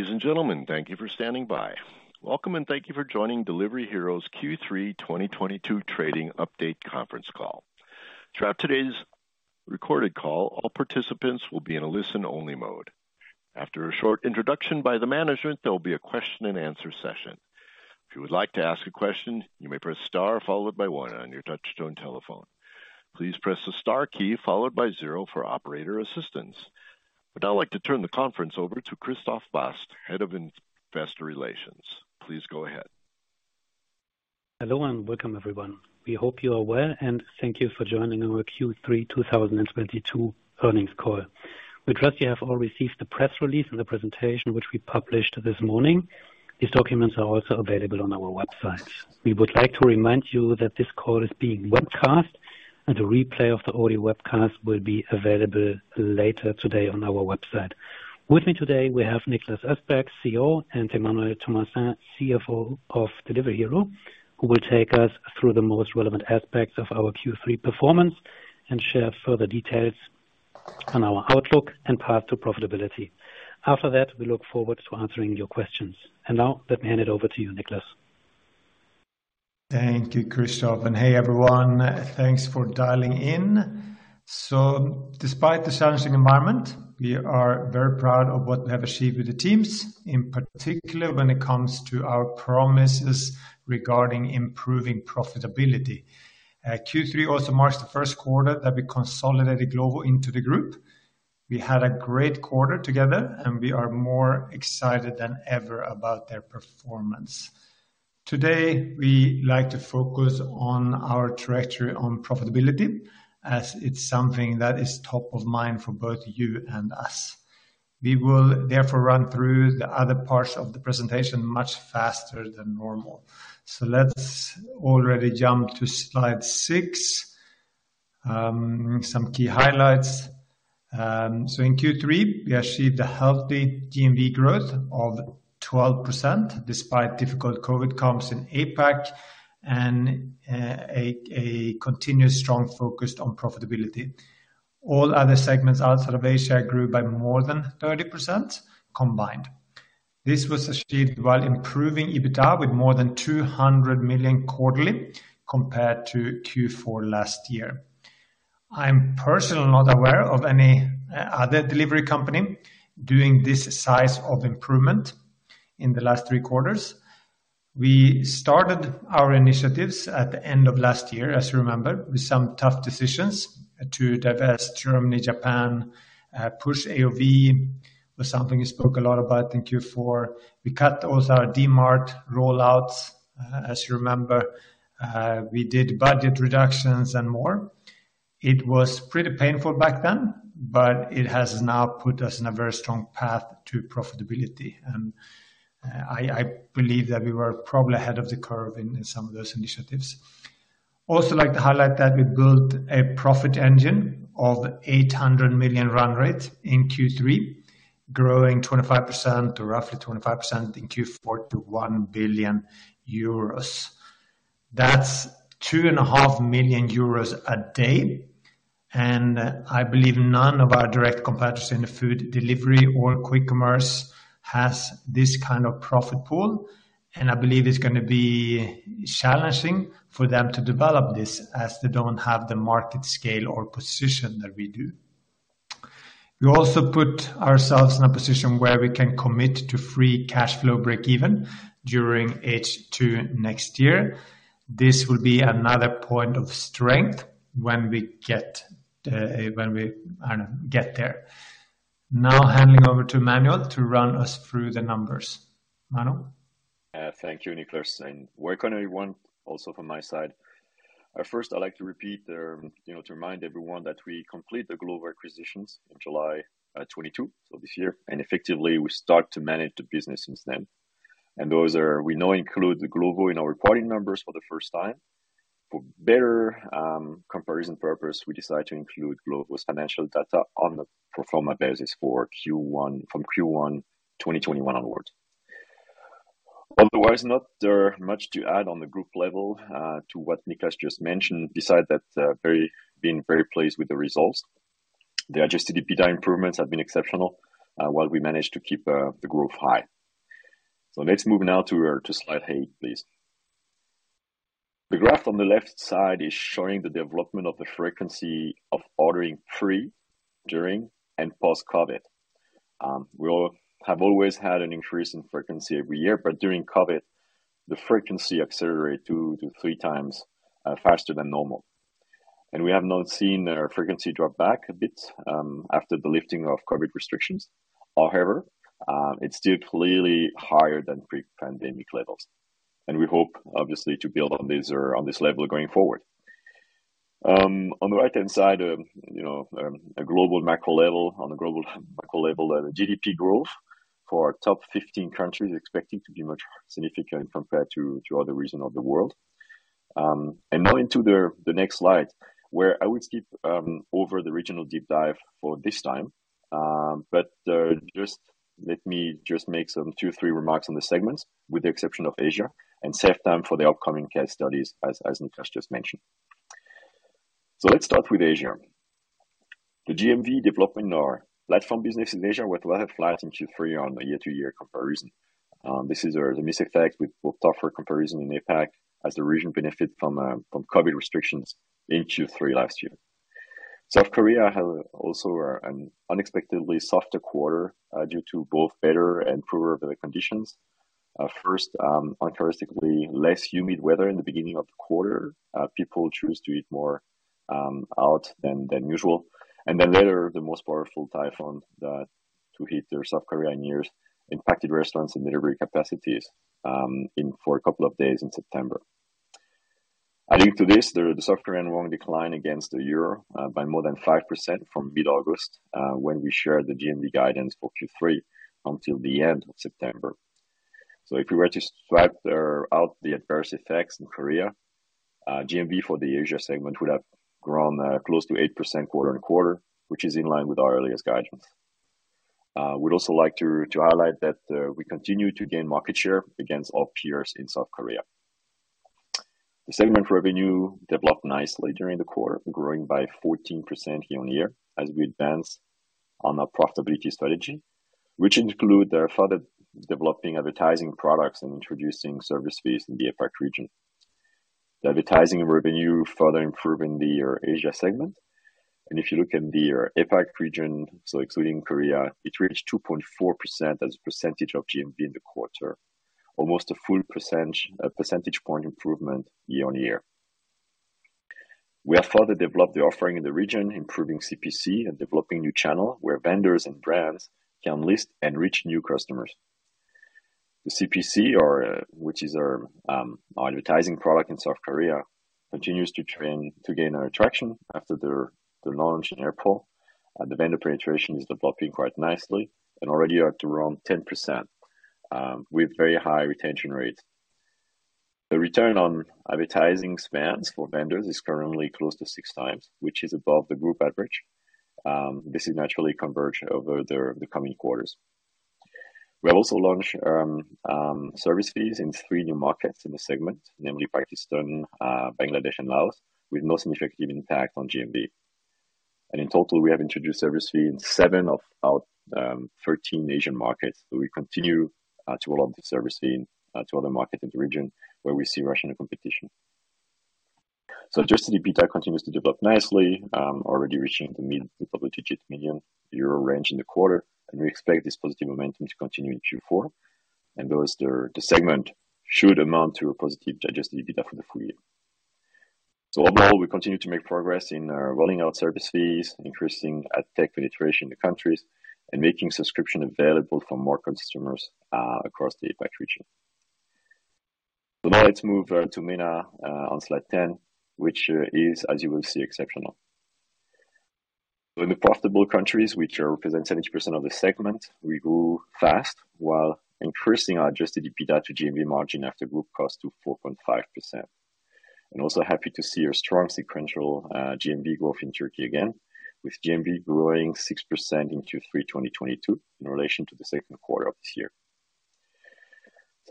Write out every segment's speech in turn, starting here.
Ladies and gentlemen, thank you for standing by. Welcome, and thank you for joining Delivery Hero's Q3 2022 trading update Conference Call. Throughout today's recorded call, all participants will be in a listen-only mode. After a short introduction by the management, there will be a question-and-answer session. If you would like to ask a question, you may press star followed by one on your touchtone telephone. Please press the star key followed by zero for operator assistance. Would now like to turn the conference over to Christoph Bast, Head of Investor Relations. Please go ahead. Hello and welcome, everyone. We hope you are well, and thank you for joining our Q3 2022 Earnings Call. We trust you have all received the press release and the presentation which we published this morning. These documents are also available on our website. We would like to remind you that this call is being webcast, and a replay of the audio webcast will be available later today on our website. With me today, we have Niklas Östberg, CEO, and Emmanuel Thomassin, CFO of Delivery Hero, who will take us through the most relevant aspects of our Q3 performance and share further details on our outlook and path to profitability. After that, we look forward to answering your questions. Now let me hand it over to you, Niklas. Thank you, Christoph. Hey, everyone. Thanks for dialing in. Despite the challenging environment, we are very proud of what we have achieved with the teams, in particular when it comes to our promises regarding improving profitability. Q3 also marks the first quarter that we consolidated Glovo into the group. We had a great quarter together, and we are more excited than ever about their performance. Today, we like to focus on our trajectory on profitability as it's something that is top of mind for both you and us. We will therefore run through the other parts of the presentation much faster than normal. Let's already jump to slide six. Some key highlights. In Q3, we achieved a healthy GMV growth of 12% despite difficult COVID comps in APAC and a continuous strong focus on profitability. All other segments outside of Asia grew by more than 30% combined. This was achieved while improving EBITDA with more than 200 million quarterly compared to Q4 last year. I'm personally not aware of any other delivery company doing this size of improvement in the last three quarters. We started our initiatives at the end of last year, as you remember, with some tough decisions to divest Germany, Japan, push AOV was something we spoke a lot about in Q4. We cut also our Dmart rollouts, as you remember. We did budget reductions and more. It was pretty painful back then, but it has now put us in a very strong path to profitability. I believe that we were probably ahead of the curve in some of those initiatives. Also like to highlight that we built a profit engine of 800 million run rate in Q3, growing 25% or roughly 25% in Q4 to 1 billion euros. That's 2.5 million euros a day, and I believe none of our direct competitors in the food delivery or quick commerce has this kind of profit pool. I believe it's gonna be challenging for them to develop this as they don't have the market scale or position that we do. We also put ourselves in a position where we can commit to free cash flow breakeven during H2 next year. This will be another point of strength when we get there. Now handing over to Emmanuel to run us through the numbers. Emmanuel. Thank you, Niklas. Welcome everyone, also from my side. First I'd like to remind everyone that we complete the Glovo acquisitions in July 2022, so this year, and effectively we start to manage the business since then. Those, we now include the Glovo in our reporting numbers for the first time. For better comparison purpose, we decide to include Glovo's financial data on the pro forma basis for Q1 from Q1 2021 onwards. Otherwise, not much there to add on the group level to what Niklas just mentioned, besides that, being very pleased with the results. The adjusted EBITDA improvements have been exceptional, while we managed to keep the growth high. Let's move now to slide eight, please. The graph on the left side is showing the development of the frequency of ordering pre, during, and post-COVID. We all have always had an increase in frequency every year, but during COVID, the frequency accelerate two to three times faster than normal. We have now seen our frequency drop back a bit after the lifting of COVID restrictions. However, it's still clearly higher than pre-pandemic levels, and we hope obviously to build on this on this level going forward. On the right-hand side, you know, a global macro level. On the global macro level, the GDP growth for our top 15 countries expecting to be much significant compared to other region of the world. Now into the next slide, where I will skip over the regional deep dive for this time. Just let me make some two, three remarks on the segments, with the exception of Asia, and save time for the upcoming case studies as Niklas just mentioned. Let's start with Asia. The GMV development in our platform business in Asia was rather flat in Q3 on a year-to-year comparison. This is the mixed effect with both tougher comparison in APAC as the region benefit from COVID restrictions in Q3 last year. South Korea had also an unexpectedly softer quarter due to both better and poorer weather conditions. First, uncharacteristically less humid weather in the beginning of the quarter, people choose to eat more out than usual. Then later, the most powerful typhoon that hit South Korea in years impacted restaurants and delivery capacities for a couple of days in September. Adding to this, the South Korean won decline against the euro by more than 5% from mid-August when we shared the GMV guidance for Q3 until the end of September. If we were to strip out the adverse effects in Korea, GMV for the Asia segment would have grown close to 8% quarter-on-quarter, which is in line with our earliest guidance. We'd also like to highlight that we continue to gain market share against all peers in South Korea. The segment revenue developed nicely during the quarter, growing by 14% year-on-year as we advance on our profitability strategy, which include our further developing advertising products and introducing service fees in the APAC region. The advertising revenue further improved in the Asia segment. If you look in the APAC region, so excluding Korea, it reached 2.4% as a percentage of GMV in the quarter, almost a full percentage point improvement year-on-year. We have further developed the offering in the region, improving CPC and developing new channel where vendors and brands can list and reach new customers. The CPC or, which is our advertising product in South Korea, continues to gain traction after the launch in April. The vendor penetration is developing quite nicely and already up to around 10%, with very high retention rates. The return on advertising spends for vendors is currently close to six times, which is above the group average. This will naturally converge over the coming quarters. We also launched service fees in three new markets in the segment, namely Pakistan, Bangladesh, and Laos, with no significant impact on GMV. In total, we have introduced service fee in seven of our 13 Asian markets. We continue to roll out the service fee to other markets in the region where we see rational competition. Adjusted EBITDA continues to develop nicely, already reaching the mid-double-digit million euro range in the quarter, and we expect this positive momentum to continue in Q4. Thus the segment should amount to a positive adjusted EBITDA for the full year. Although we continue to make progress in rolling out service fees, increasing ad tech penetration in the countries, and making subscription available for more consumers across the APAC region. Now let's move to MENA on slide 10, which is, as you will see, exceptional. In the profitable countries, which represent 70% of the segment, we grew fast while increasing our adjusted EBITDA to GMV margin after group cost to 4.5%. I'm also happy to see a strong sequential GMV growth in Turkey again, with GMV growing 6% in Q3 2022 in relation to the second quarter of this year.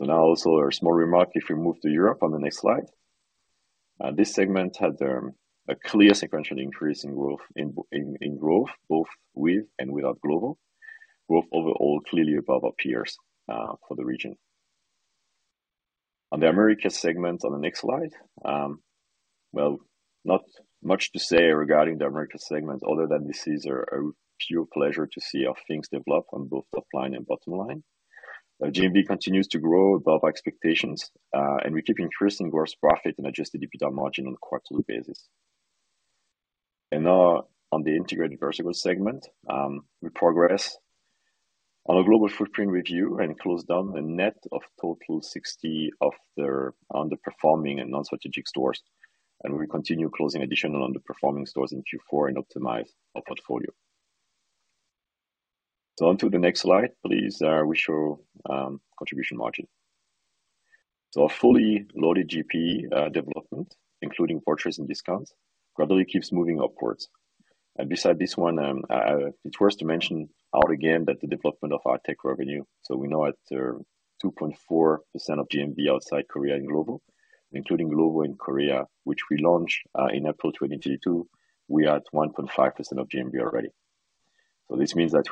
Now also a small remark if we move to Europe on the next slide. This segment had a clear sequential increase in growth both with and without Glovo. Growth overall clearly above our peers for the region. On the Americas segment on the next slide. Not much to say regarding the Americas segment other than this is a pure pleasure to see how things develop on both top line and bottom line. GMV continues to grow above expectations, and we keep increasing gross profit and adjusted EBITDA margin on a quarterly basis. Now on the Integrated Verticals segment, we progress on a global footprint review and close down a net total of 60 of their underperforming and non-strategic stores. We continue closing additional underperforming stores in Q4 and optimize our portfolio. Onto the next slide, please, we show contribution margin. A fully loaded GP development, including purchasing discounts, gradually keeps moving upwards. Beside this one, it's worth mentioning again that the development of our tech revenue. We're now at 2.4% of GMV outside Korea and Glovo. Including Glovo and Korea, which we launched in April 2022, we are at 1.5% of GMV already. This means that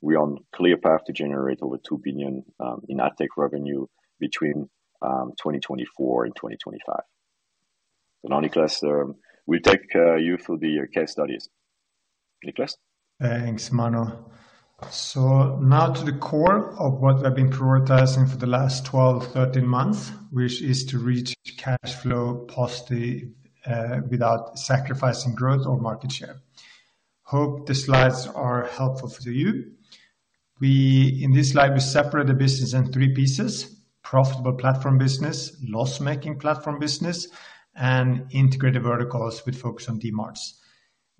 we're on clear path to generate over 2 billion in AdTech revenue between 2024 and 2025. Now, Niklas, we take you for the case studies. Niklas. Thanks, Emmanuel. Now to the core of what we've been prioritizing for the last 12, 13 months, which is to reach cash flow positive without sacrificing growth or market share. Hope the slides are helpful to you. In this slide, we separate the business in three pieces: profitable platform business, loss-making platform business, and Integrated Verticals with focus on Dmart.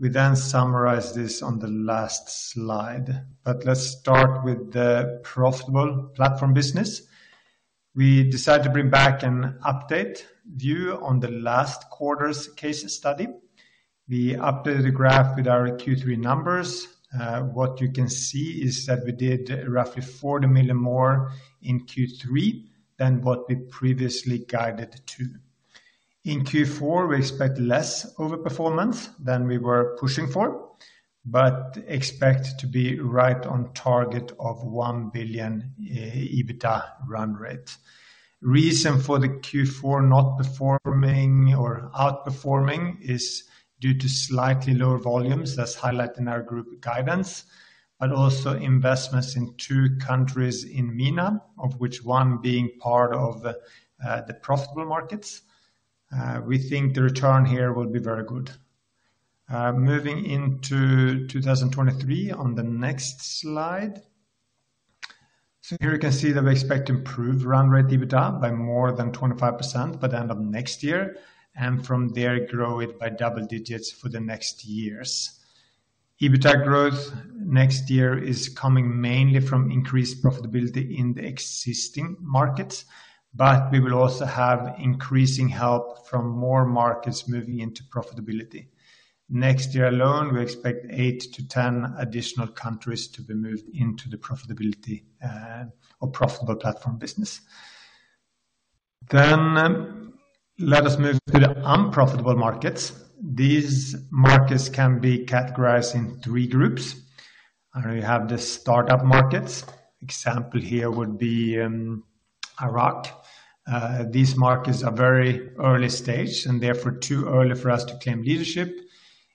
We then summarize this on the last slide. Let's start with the profitable platform business. We decided to bring back an update view on the last quarter's case study. We updated the graph with our Q3 numbers. What you can see is that we did roughly 40 million more in Q3 than what we previously guided to. In Q4 we expect less overperformance than we were pushing for, but expect to be right on target of 1 billion EBITDA run rate. Reason for the Q4 not performing or outperforming is due to slightly lower volumes. That's highlighted in our group guidance, but also investments in two countries in MENA, of which one being part of the profitable markets. We think the return here will be very good. Moving into 2023 on the next slide. Here you can see that we expect improved run rate EBITDA by more than 25% by the end of next year, and from there, grow it by double digits for the next years. EBITDA growth next year is coming mainly from increased profitability in the existing markets, but we will also have increasing help from more markets moving into profitability. Next year alone, we expect eight to 10 additional countries to be moved into the profitability or profitable platform business. Let us move to the unprofitable markets. These markets can be categorized in three groups. We have the startup markets. Example here would be Iraq. These markets are very early stage and therefore too early for us to claim leadership.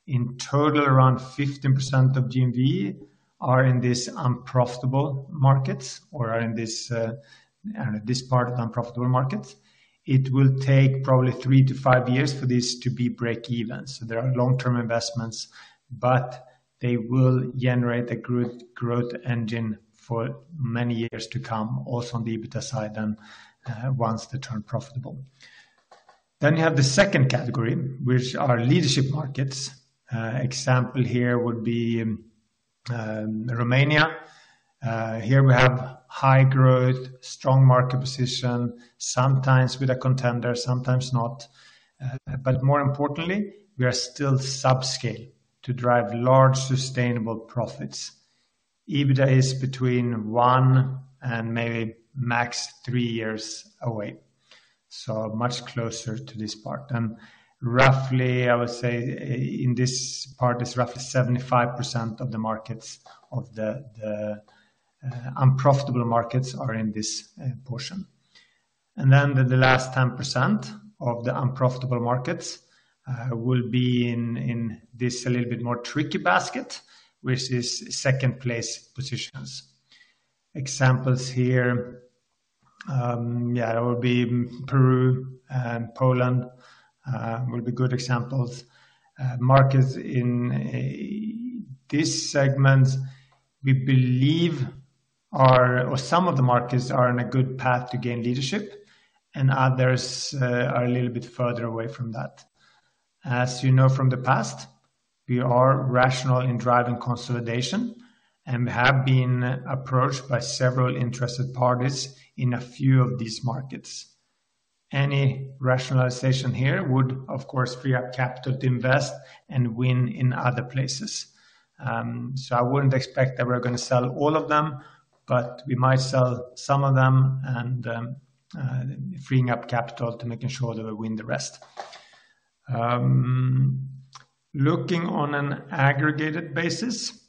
In total, around 15% of GMV are in this unprofitable markets. It will take probably three to five years for this to be break-even. They are long-term investments, but they will generate a good growth engine for many years to come, also on the EBITDA side, once they turn profitable. You have the second category, which are leadership markets. Example here would be Romania. Here we have high growth, strong market position, sometimes with a contender, sometimes not. But more importantly, we are still subscale to drive large sustainable profits. EBITDA is between one and maybe max three years away, so much closer to this part. Roughly, I would say in this part is roughly 75% of the markets of the unprofitable markets are in this portion. Then the last 10% of the unprofitable markets will be in this a little bit more tricky basket, which is second place positions. Examples here, yeah, will be Peru and Poland will be good examples. Markets in this segment, we believe. Or some of the markets are on a good path to gain leadership and others are a little bit further away from that. As you know from the past, we are rational in driving consolidation and have been approached by several interested parties in a few of these markets. Any rationalization here would of course free up capital to invest and win in other places. I wouldn't expect that we're gonna sell all of them, but we might sell some of them and freeing up capital to make sure that we win the rest. Looking on an aggregated basis,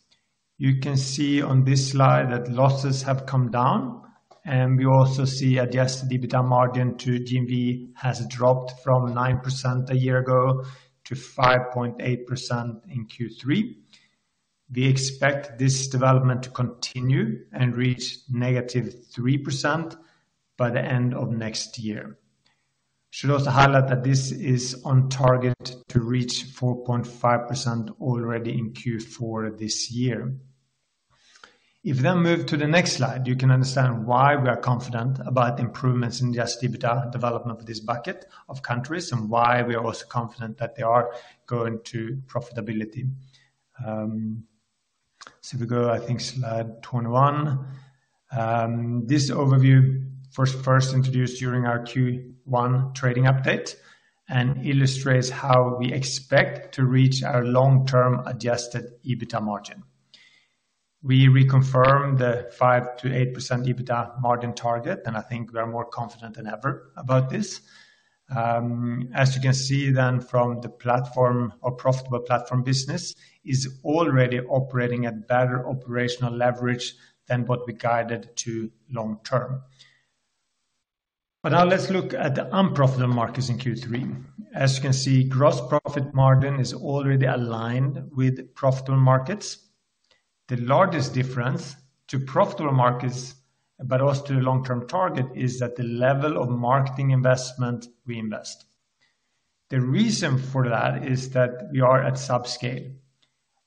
you can see on this slide that losses have come down, and we also see adjusted EBITDA margin to GMV has dropped from 9% a year ago to 5.8% in Q3. We expect this development to continue and reach negative 3% by the end of next year. Should also highlight that this is on target to reach 4.5% already in Q4 this year. If we then move to the next slide, you can understand why we are confident about improvements in adjusted EBITDA development of this bucket of countries and why we are also confident that they are going to profitability. If we go, I think slide 21. This overview first introduced during our Q1 trading update illustrates how we expect to reach our long-term adjusted EBITDA margin. We reconfirm the 5%-8% EBITDA margin target, and I think we are more confident than ever about this. As you can see then from the profitable platform business is already operating at better operational leverage than what we guided to long-term. Now let's look at the unprofitable markets in Q3. As you can see, gross profit margin is already aligned with profitable markets. The largest difference to profitable markets, but also to the long-term target, is that the level of marketing investment we invest. The reason for that is that we are at subscale,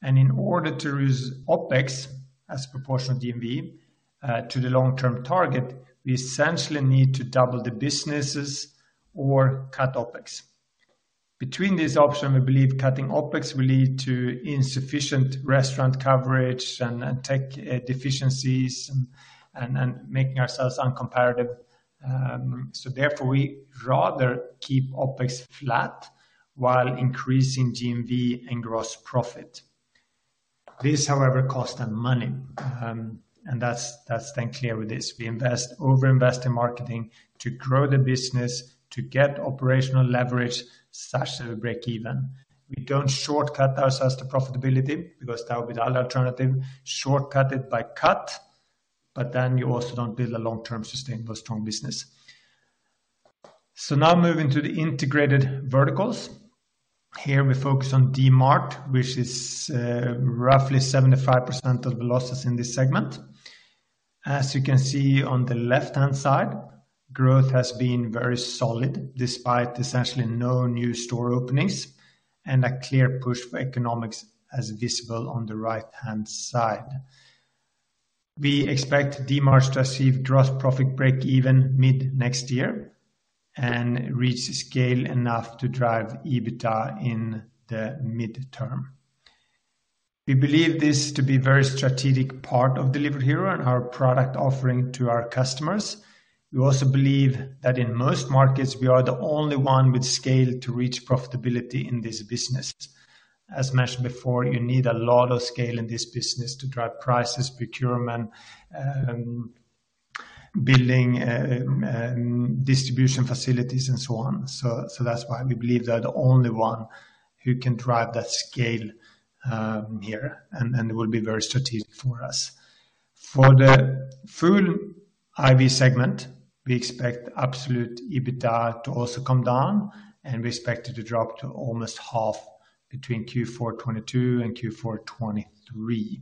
and in order to raise OPEX as proportion of GMV to the long-term target, we essentially need to double the businesses or cut OPEX. Between this option, we believe cutting OPEX will lead to insufficient restaurant coverage and tech deficiencies and making ourselves uncompetitive. Therefore, we rather keep OPEX flat while increasing GMV and gross profit. These however cost them money. And that's then clear with this. We over-invest in marketing to grow the business, to get operational leverage such that we break even. We don't shortcut ourselves to profitability because that would be the alternative, shortcut it by cut, but then you also don't build a long-term sustainable, strong business. Now moving to the Integrated Verticals. Here we focus on Dmart, which is roughly 75% of the losses in this segment. As you can see on the left-hand side, growth has been very solid despite essentially no new store openings and a clear push for economics as visible on the right-hand side. We expect Dmart to achieve gross profit break even mid next year and reach scale enough to drive EBITDA in the midterm. We believe this to be very strategic part of Delivery Hero and our product offering to our customers. We also believe that in most markets, we are the only one with scale to reach profitability in this business. As mentioned before, you need a lot of scale in this business to drive prices, procurement, building, distribution facilities and so on. That's why we believe they are the only one who can drive that scale, here, and it will be very strategic for us. For the full IV segment, we expect absolute EBITDA to also come down, and we expect it to drop to almost half between Q4 2022 and Q4 2023.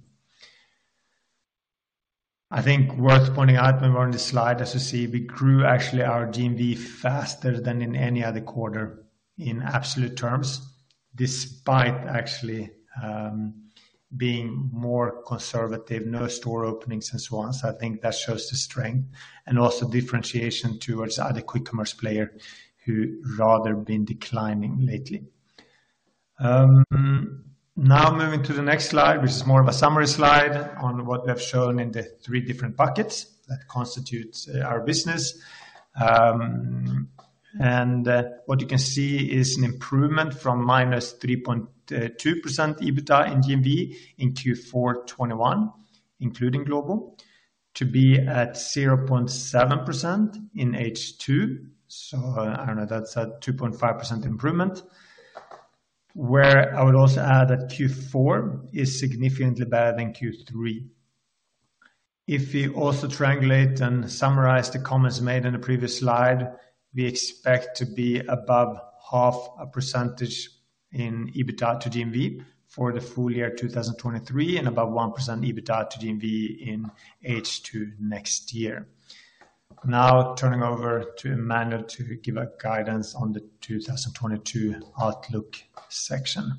I think worth pointing out when we're on this slide, as you see, we grew actually our GMV faster than in any other quarter in absolute terms, despite actually, being more conservative, no store openings and so on. I think that shows the strength and also differentiation towards other quick commerce player who rather been declining lately. Now moving to the next slide, which is more of a summary slide on what we have shown in the three different buckets that constitutes our business. What you can see is an improvement from -3.2% EBITDA in GMV in Q4 2021, including global, to 0.7% in H2. I don't know, that's a 2.5% improvement. Where I would also add that Q4 is significantly better than Q3. If we also triangulate and summarize the comments made in the previous slide, we expect to be above half a percentage in EBITDA to GMV for the full year 2023 and above 1% EBITDA to GMV in H2 next year. Now turning over to Emmanuel to give a guidance on the 2022 outlook section.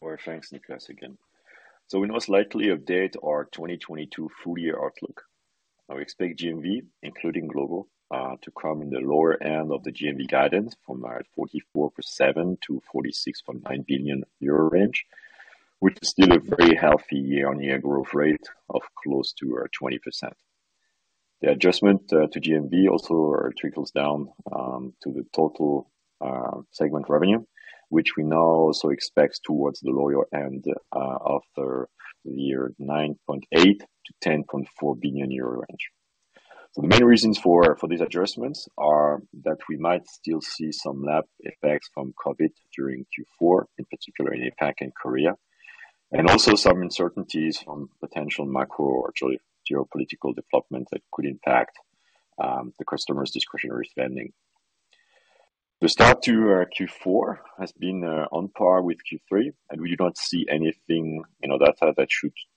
Well, thanks, Niklas, again. We most likely update our 2022 full year outlook. Now we expect GMV, including global, to come in the lower end of the GMV guidance from our 44.7 billion-46.9 billion euro range, which is still a very healthy year-on-year growth rate of close to 20%. The adjustment to GMV also trickles down to the total segment revenue, which we now also expect towards the lower end of our 9.8 billion-10.4 billion euro range. The main reasons for these adjustments are that we might still see some lag effects from COVID during Q4, in particular in APAC and Korea, and also some uncertainties on potential macro or geopolitical developments that could impact the customers' discretionary spending. The start to Q4 has been on par with Q3, and we do not see anything in our data that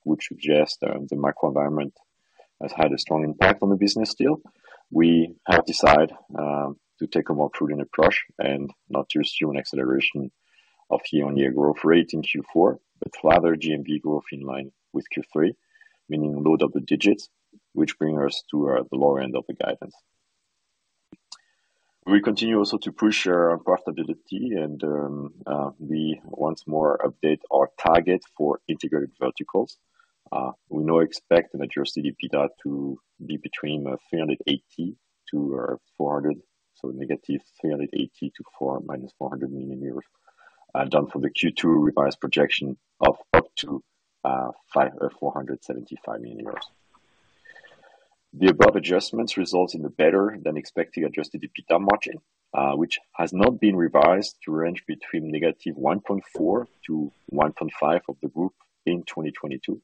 would suggest that the macro environment has had a strong impact on the business still. We have decided to take a more prudent approach and not to assume acceleration of year-on-year growth rate in Q4, but rather GMV growth in line with Q3, meaning low double digits, which bring us to the lower end of the guidance. We continue also to push our profitability and we once more update our target for Integrated Verticals. We now expect adjusted EBITDA to be between -380 million and -400 million, down from the Q2 revised projection of up to -475 million. The above adjustments result in a better than expected adjusted EBITDA margin, which has now been revised to range between -1.4% to 1.5% of the group in 2022,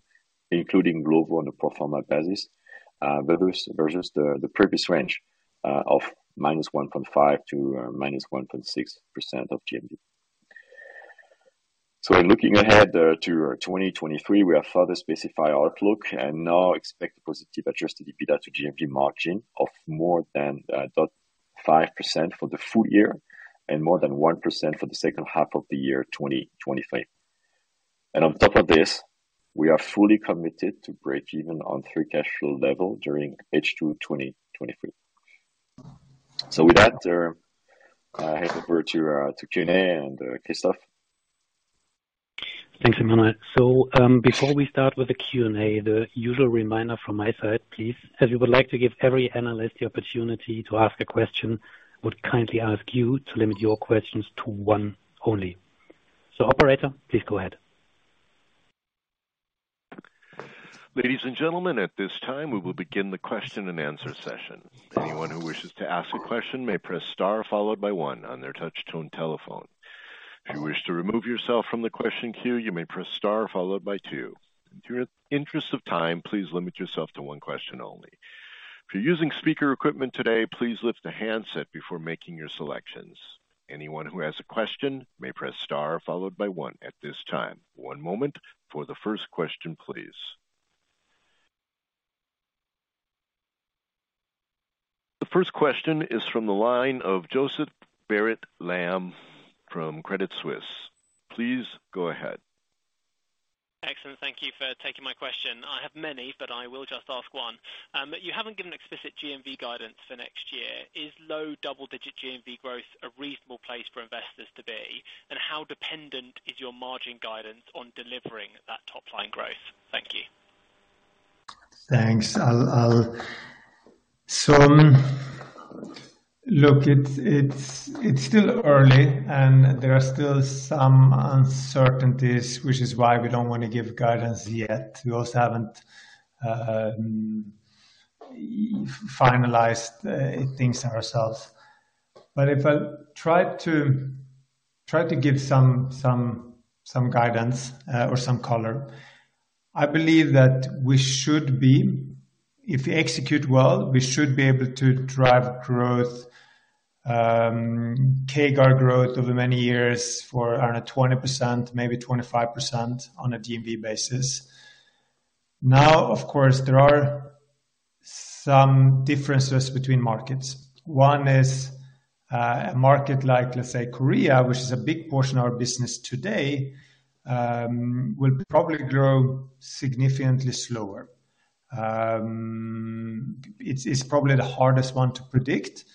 including global on a pro forma basis, versus the previous range of -1.5% to -1.6% of GMV. In looking ahead to 2023, we have further specified our outlook and now expect a positive adjusted EBITDA to GMV margin of more than 5% for the full year and more than 1% for the second half of the year 2023. On top of this, we are fully committed to break even on free cash flow level during H2 2023. With that, I hand over to Q&A and Christoph. Thanks, Emmanuel. Before we start with the Q&A, the usual reminder from my side, please. As we would like to give every analyst the opportunity to ask a question, I would kindly ask you to limit your questions to one only. Operator, please go ahead. Ladies and gentlemen, at this time we will begin the question and answer session. Anyone who wishes to ask a question may press star followed by one on their touch-tone telephone. If you wish to remove yourself from the question queue, you may press star followed by two. In the interest of time, please limit yourself to one question only. If you're using speaker equipment today, please lift the handset before making your selections. Anyone who has a question may press star followed by one at this time. One moment for the first question, please. The first question is from the line of Joseph Barnet-Lamb from Credit Suisse. Please go ahead. Excellent. Thank you for taking my question. I have many, but I will just ask one. You haven't given explicit GMV guidance for next year. Is low double-digit GMV growth a reasonable place for investors to be? How dependent is your margin guidance on delivering that top-line growth? Thank you. Thanks. Look, it's still early, and there are still some uncertainties, which is why we don't want to give guidance yet. We also haven't finalized things ourselves. If I try to give some guidance or some color, I believe that if we execute well, we should be able to drive growth, CAGR growth over many years for around 20%, maybe 25% on a GMV basis. Now, of course, there are some differences between markets. One is a market like, let's say, Korea, which is a big portion of our business today, will probably grow significantly slower. It's probably the hardest one to predict.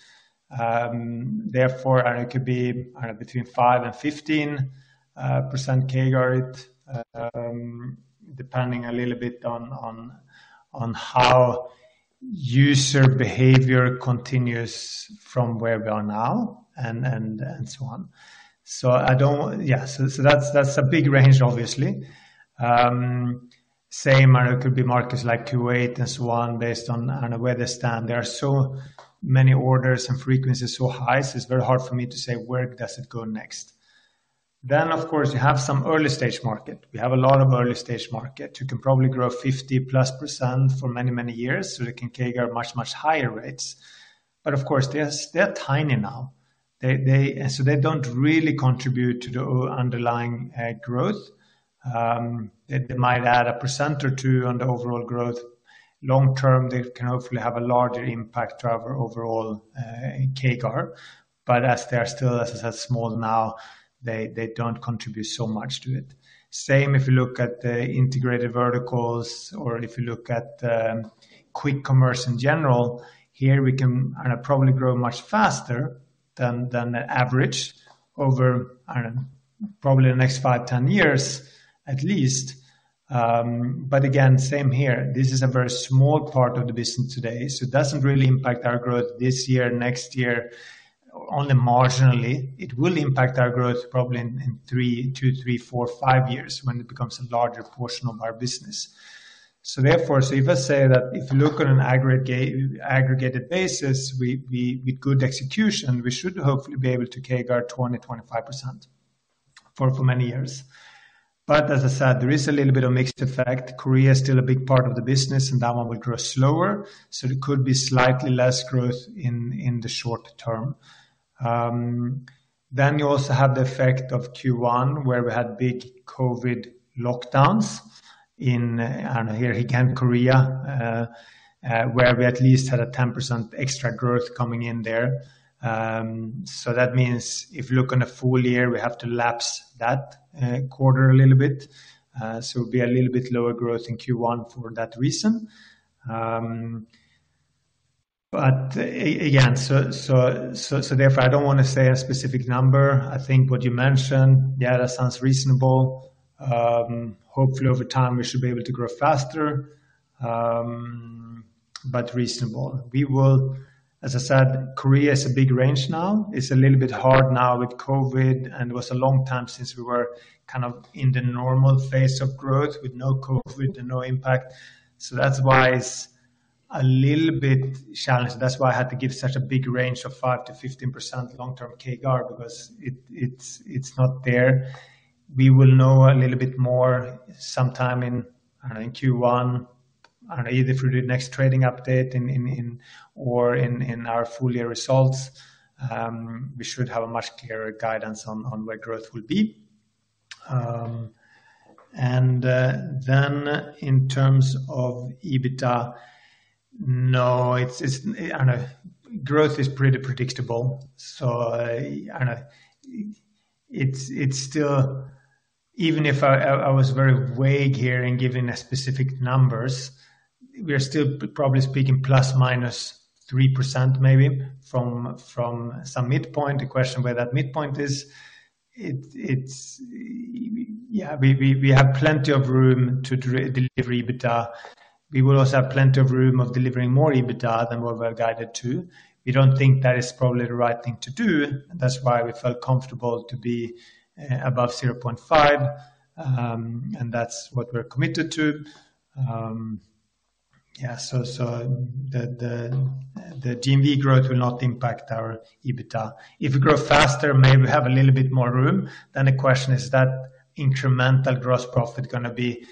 Therefore, it could be between 5% and 15% CAGR, depending a little bit on how user behavior continues from where we are now and so on. That's a big range, obviously. Same could be markets like Kuwait and so on based on where they stand. There are so many orders and frequency is so high, so it's very hard for me to say where does it go next. Of course, you have some early-stage markets. We have a lot of early-stage markets that can probably grow 50%+ for many years, so they can CAGR much higher rates. Of course, they're tiny now. They don't really contribute to the underlying growth. It might add 1% or 2% on the overall growth. Long term, they can hopefully have a larger impact to our overall CAGR. As they are still as small now, they don't contribute so much to it. Same if you look at the Integrated Verticals or if you look at quick commerce in general. Here we can probably grow much faster than the average over, I don't know, probably the next five, 10 years at least. Again, same here. This is a very small part of the business today, so it doesn't really impact our growth this year, next year, only marginally. It will impact our growth probably in two, three, four, five years when it becomes a larger portion of our business. If I say that if you look on an aggregated basis, with good execution, we should hopefully be able to CAGR 20%-25% for many years. As I said, there is a little bit of mixed effect. Korea is still a big part of the business, and that one will grow slower, so it could be slightly less growth in the short term. Then you also have the effect of Q1, where we had big COVID lockdowns in Korea, here again, where we at least had a 10% extra growth coming in there. That means if you look on a full year, we have to lapse that quarter a little bit. It’ll be a little bit lower growth in Q1 for that reason. Again, therefore, I don't want to say a specific number. I think what you mentioned, yeah, that sounds reasonable. Hopefully over time, we should be able to grow faster, but reasonable. We will. As I said, Korea is a big range now. It's a little bit hard now with COVID, and it was a long time since we were kind of in the normal phase of growth with no COVID and no impact. That's why it's a little bit challenged. That's why I had to give such a big range of 5%-15% long-term CAGR, because it's not there. We will know a little bit more sometime in, I don't know, Q1. I don't know, either through the next trading update or in our full year results, we should have a much clearer guidance on where growth will be. In terms of EBITDA, I don't know, growth is pretty predictable. I don't know. Even if I was very vague here in giving specific numbers, we are still probably speaking ±3% maybe from some midpoint. The question where that midpoint is. Yeah, we have plenty of room to deliver EBITDA. We will also have plenty of room to deliver more EBITDA than what we are guided to. We don't think that is probably the right thing to do. That's why we felt comfortable to be above 0.5%, and that's what we're committed to. Yeah. The GMV growth will not impact our EBITDA. If we grow faster, maybe we have a little bit more room, then the question is that incremental gross profit gonna be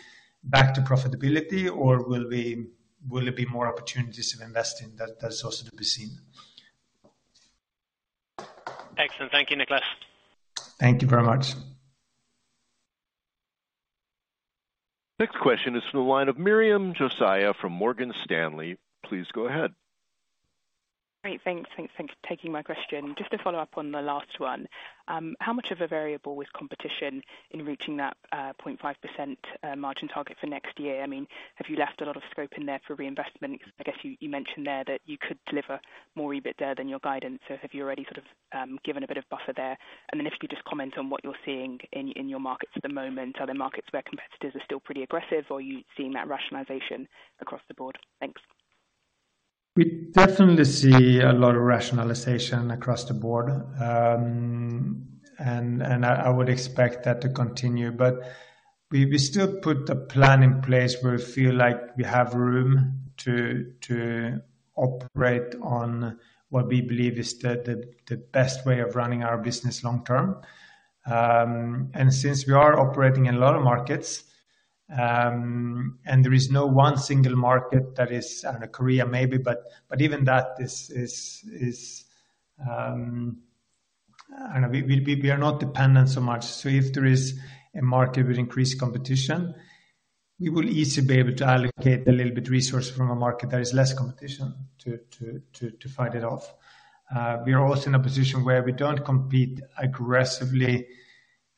back to profitability or will it be more opportunities of investing? That is also to be seen. Excellent. Thank you, Niklas. Thank you very much. Next question is from the line of Miriam Josiah from Morgan Stanley. Please go ahead. Great. Thanks for taking my question. Just to follow up on the last one, how much of a variable with competition in reaching that 0.5% margin target for next year? I mean, have you left a lot of scope in there for reinvestment? 'Cause I guess you mentioned there that you could deliver more EBITDA than your guidance. Have you already sort of given a bit of buffer there? If you just comment on what you're seeing in your markets at the moment, are there markets where competitors are still pretty aggressive or are you seeing that rationalization across the board? Thanks. We definitely see a lot of rationalization across the board. I would expect that to continue. We still put a plan in place where we feel like we have room to operate on what we believe is the best way of running our business long term. Since we are operating in a lot of markets, and there is no one single market that is. I don't know, Korea maybe, but even that is. I don't know. We are not dependent so much. If there is a market with increased competition, we will easily be able to allocate a little bit resource from a market that is less competition to fight it off. We are also in a position where we don't compete aggressively,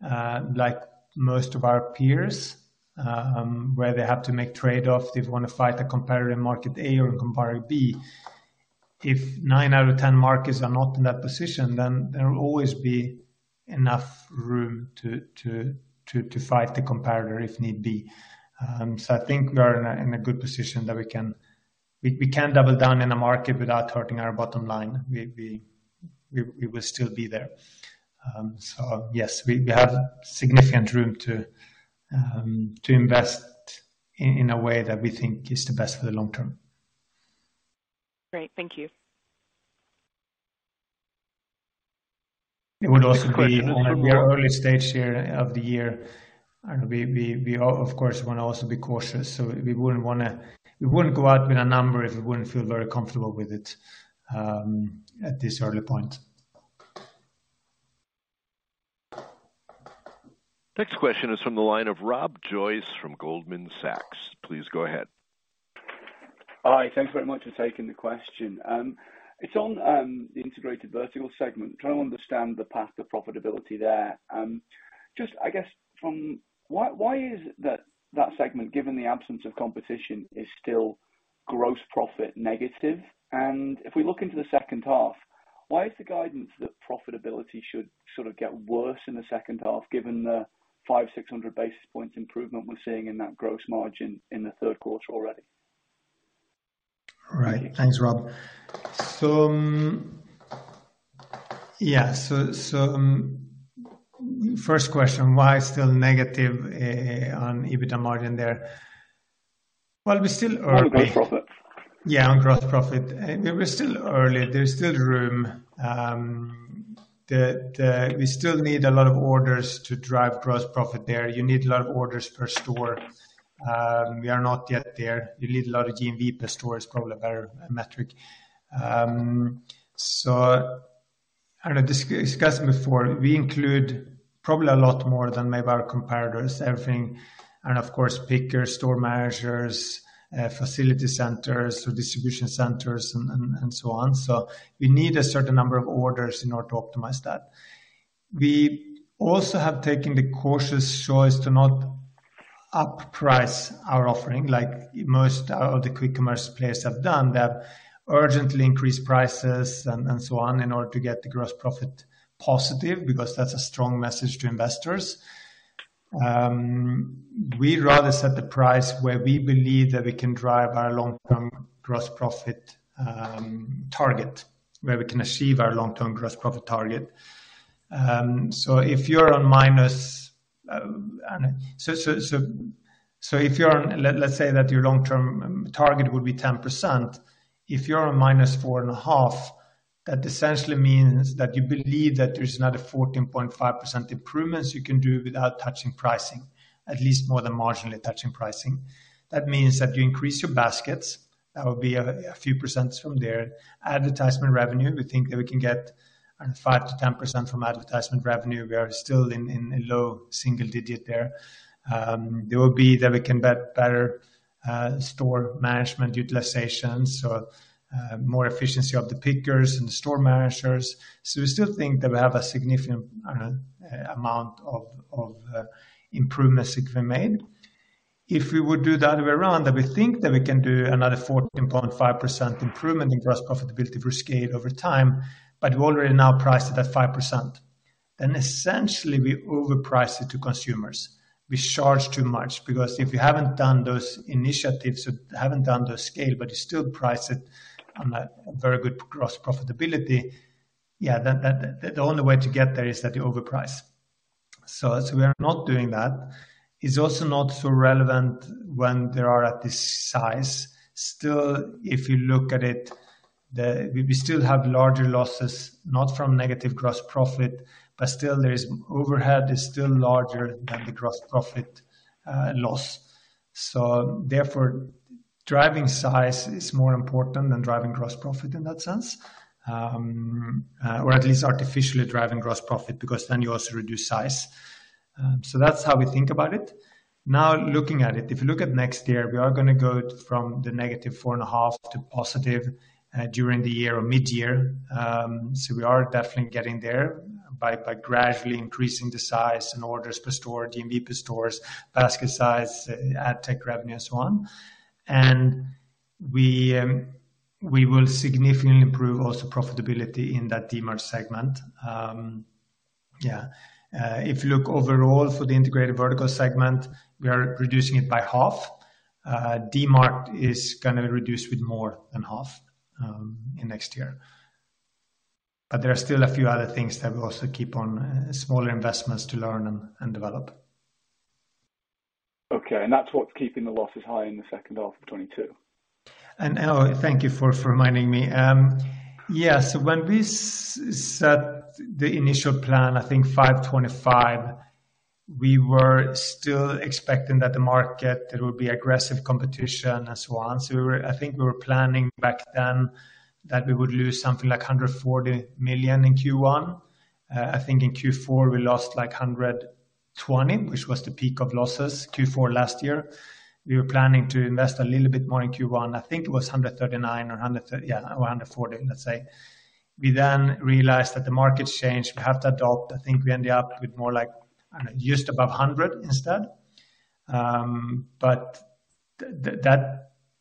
like most of our peers, where they have to make trade-off. They wanna fight a competitor in market A or competitor B. If nine out of ten markets are not in that position, then there will always be enough room to fight the competitor if need be. I think we are in a good position. We can double down in a market without hurting our bottom line. We will still be there. Yes, we have significant room to invest in a way that we think is the best for the long term. Great. Thank you. It would also be on an early stage here of the year, and we of course want to also be cautious. We wouldn't go out with a number if we wouldn't feel very comfortable with it, at this early point. Next question is from the line of Rob Joyce from Goldman Sachs. Please go ahead. Hi. Thanks very much for taking the question. It's on the Integrated Verticals segment. Trying to understand the path to profitability there. Why is that segment, given the absence of competition, still gross profit negative? If we look into the second half, why is the guidance that profitability should sort of get worse in the second half, given the 500-600 basis points improvement we're seeing in that gross margin in the Q3 already? All right. Thanks, Rob. Yeah. First question, why still negative on EBITDA margin there? Well, we're still early- On gross profit. Yeah, on gross profit. We're still early. There's still room. We still need a lot of orders to drive gross profit there. You need a lot of orders per store. We are not yet there. You need a lot of GMV per store is probably a better metric. I don't know, discussed before, we include probably a lot more than maybe our competitors, everything. Of course, pickers, store managers, facility centers or distribution centers and so on. We need a certain number of orders in order to optimize that. We also have taken the cautious choice to not up price our offering like most of the quick commerce players have done. They have urgently increased prices and so on in order to get the gross profit positive, because that's a strong message to investors. We'd rather set the price where we believe that we can drive our long-term gross profit target, where we can achieve our long-term gross profit target. Let's say that your long-term target would be 10%. If you're on -4.5%, that essentially means that you believe that there's another 14.5% improvements you can do without touching pricing, at least more than marginally touching pricing. That means that you increase your baskets. That would be a few percent from there. Advertising revenue, we think that we can get around 5%-10% from advertising revenue. We are still in a low single-digit% there. There will be that we can get better store management utilization, so more efficiency of the pickers and store managers. We still think that we have a significant, I don't know, amount of improvements that we made. If we would do the other way around, then we think that we can do another 14.5% improvement in gross profitability per scale over time, but we're already now priced at that 5%. Essentially we overprice it to consumers. We charge too much because if you haven't done those initiatives or haven't done those scale, but you still price it on a very good gross profitability, yeah, then the only way to get there is that you overprice. As we are not doing that, it's also not so relevant when they are at this size. Still, if you look at it, we still have larger losses, not from negative gross profit, but overhead is still larger than the gross profit loss. Therefore, driving size is more important than driving gross profit in that sense, or at least artificially driving gross profit because then you also reduce size. That's how we think about it. Now, looking at it, if you look at next year, we are gonna go from the -4.5% to positive during the year or mid-year. We are definitely getting there by gradually increasing the size and orders per store, GMV per stores, basket size, AdTech revenue and so on. We will significantly improve also profitability in that Dmart segment. If you look overall for the Integrated Verticals segment, we are reducing it by half. Dmart is gonna be reduced by more than half in next year. There are still a few other things that we also keep on smaller investments to learn and develop. Okay. That's what's keeping the losses high in the second half of 2022. Oh, thank you for reminding me. Yes, when we set the initial plan, I think 525, we were still expecting that the market, there would be aggressive competition and so on. We were planning back then that we would lose something like 140 million in Q1. I think in Q4, we lost like 120 million, which was the peak of losses, Q4 last year. We were planning to invest a little bit more in Q1. I think it was 139 million or 140 million, let's say. We then realized that the market's changed. We have to adapt. I think we ended up with more like, I don't know, just above 100 million instead.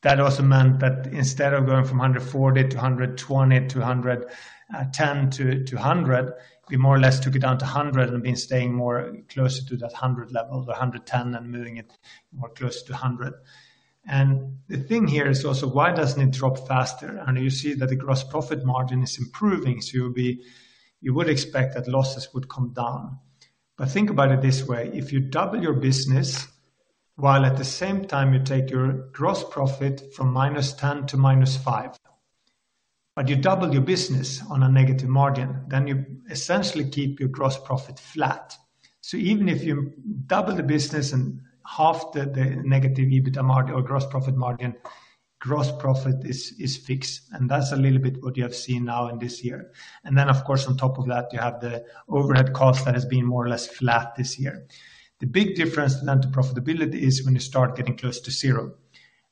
that also meant that instead of going from 140% to 120% to 100%, 10% to 100%, we more or less took it down to 100% and been staying more closer to that 100% level, the 110%, and moving it more closer to 100%. The thing here is also why doesn't it drop faster? I know you see that the gross profit margin is improving, so you would expect that losses would come down. Think about it this way, if you double your business while at the same time you take your gross profit from -10% to -5%, but you double your business on a negative margin, then you essentially keep your gross profit flat. Even if you double the business and half the negative EBITDA margin or gross profit margin, gross profit is fixed, and that's a little bit what you have seen now in this year. Of course, on top of that, you have the overhead cost that has been more or less flat this year. The big difference then to profitability is when you start getting close to zero.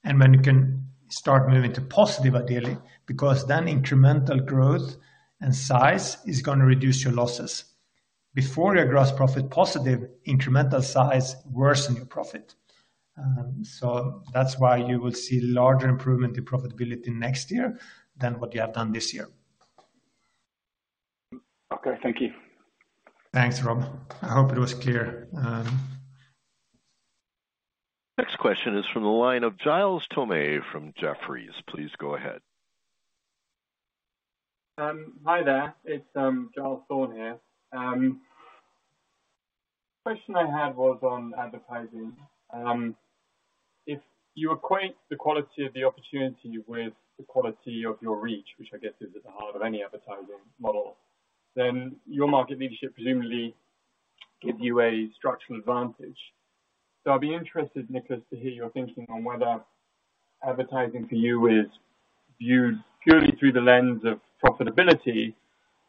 When you can start moving to positive ideally, because then incremental growth and size is gonna reduce your losses. Before your gross profit positive, incremental size worsen your profit. That's why you will see larger improvement in profitability next year than what you have done this year. Okay. Thank you. Thanks, Rob. I hope it was clear. Next question is from the line of Giles Thorne from Jefferies. Please go ahead. Hi there. It's Giles Thorne here. Question I had was on advertising. If you equate the quality of the opportunity with the quality of your reach, which I guess is at the heart of any advertising model, then your market leadership presumably give you a structural advantage. I'll be interested, Niklas, to hear your thinking on whether advertising for you is viewed purely through the lens of profitability,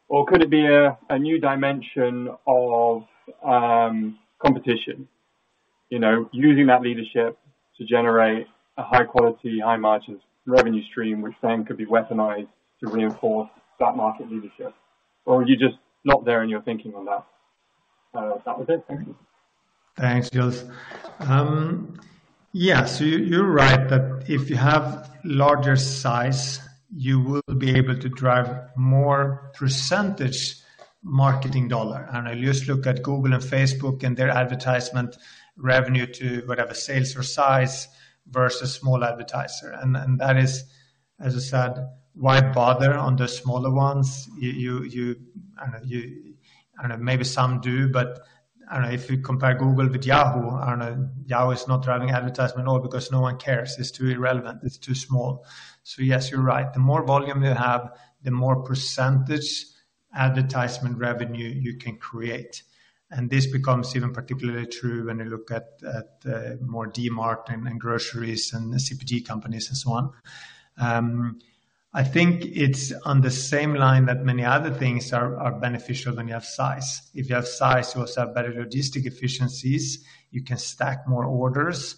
or could it be a new dimension of competition? You know, using that leadership to generate a high quality, high margins revenue stream, which then could be weaponized to reinforce that market leadership. Or are you just not there in your thinking on that? That was it. Thank you. Thanks, Giles. You're right that if you have larger size, you will be able to drive more percentage marketing dollar. I just look at Google and Facebook and their advertisement revenue to whatever sales or size versus small advertiser. That is, as I said, why bother on the smaller ones? I don't know. Maybe some do, but I don't know if you compare Google with Yahoo. I don't know, Yahoo is not driving advertisement at all because no one cares. It's too irrelevant. It's too small. Yes, you're right. The more volume you have, the more percentage advertisement revenue you can create. This becomes even particularly true when you look at more Dmart and groceries and CPG companies and so on. I think it's on the same line that many other things are beneficial when you have size. If you have size, you also have better logistics efficiencies. You can stack more orders.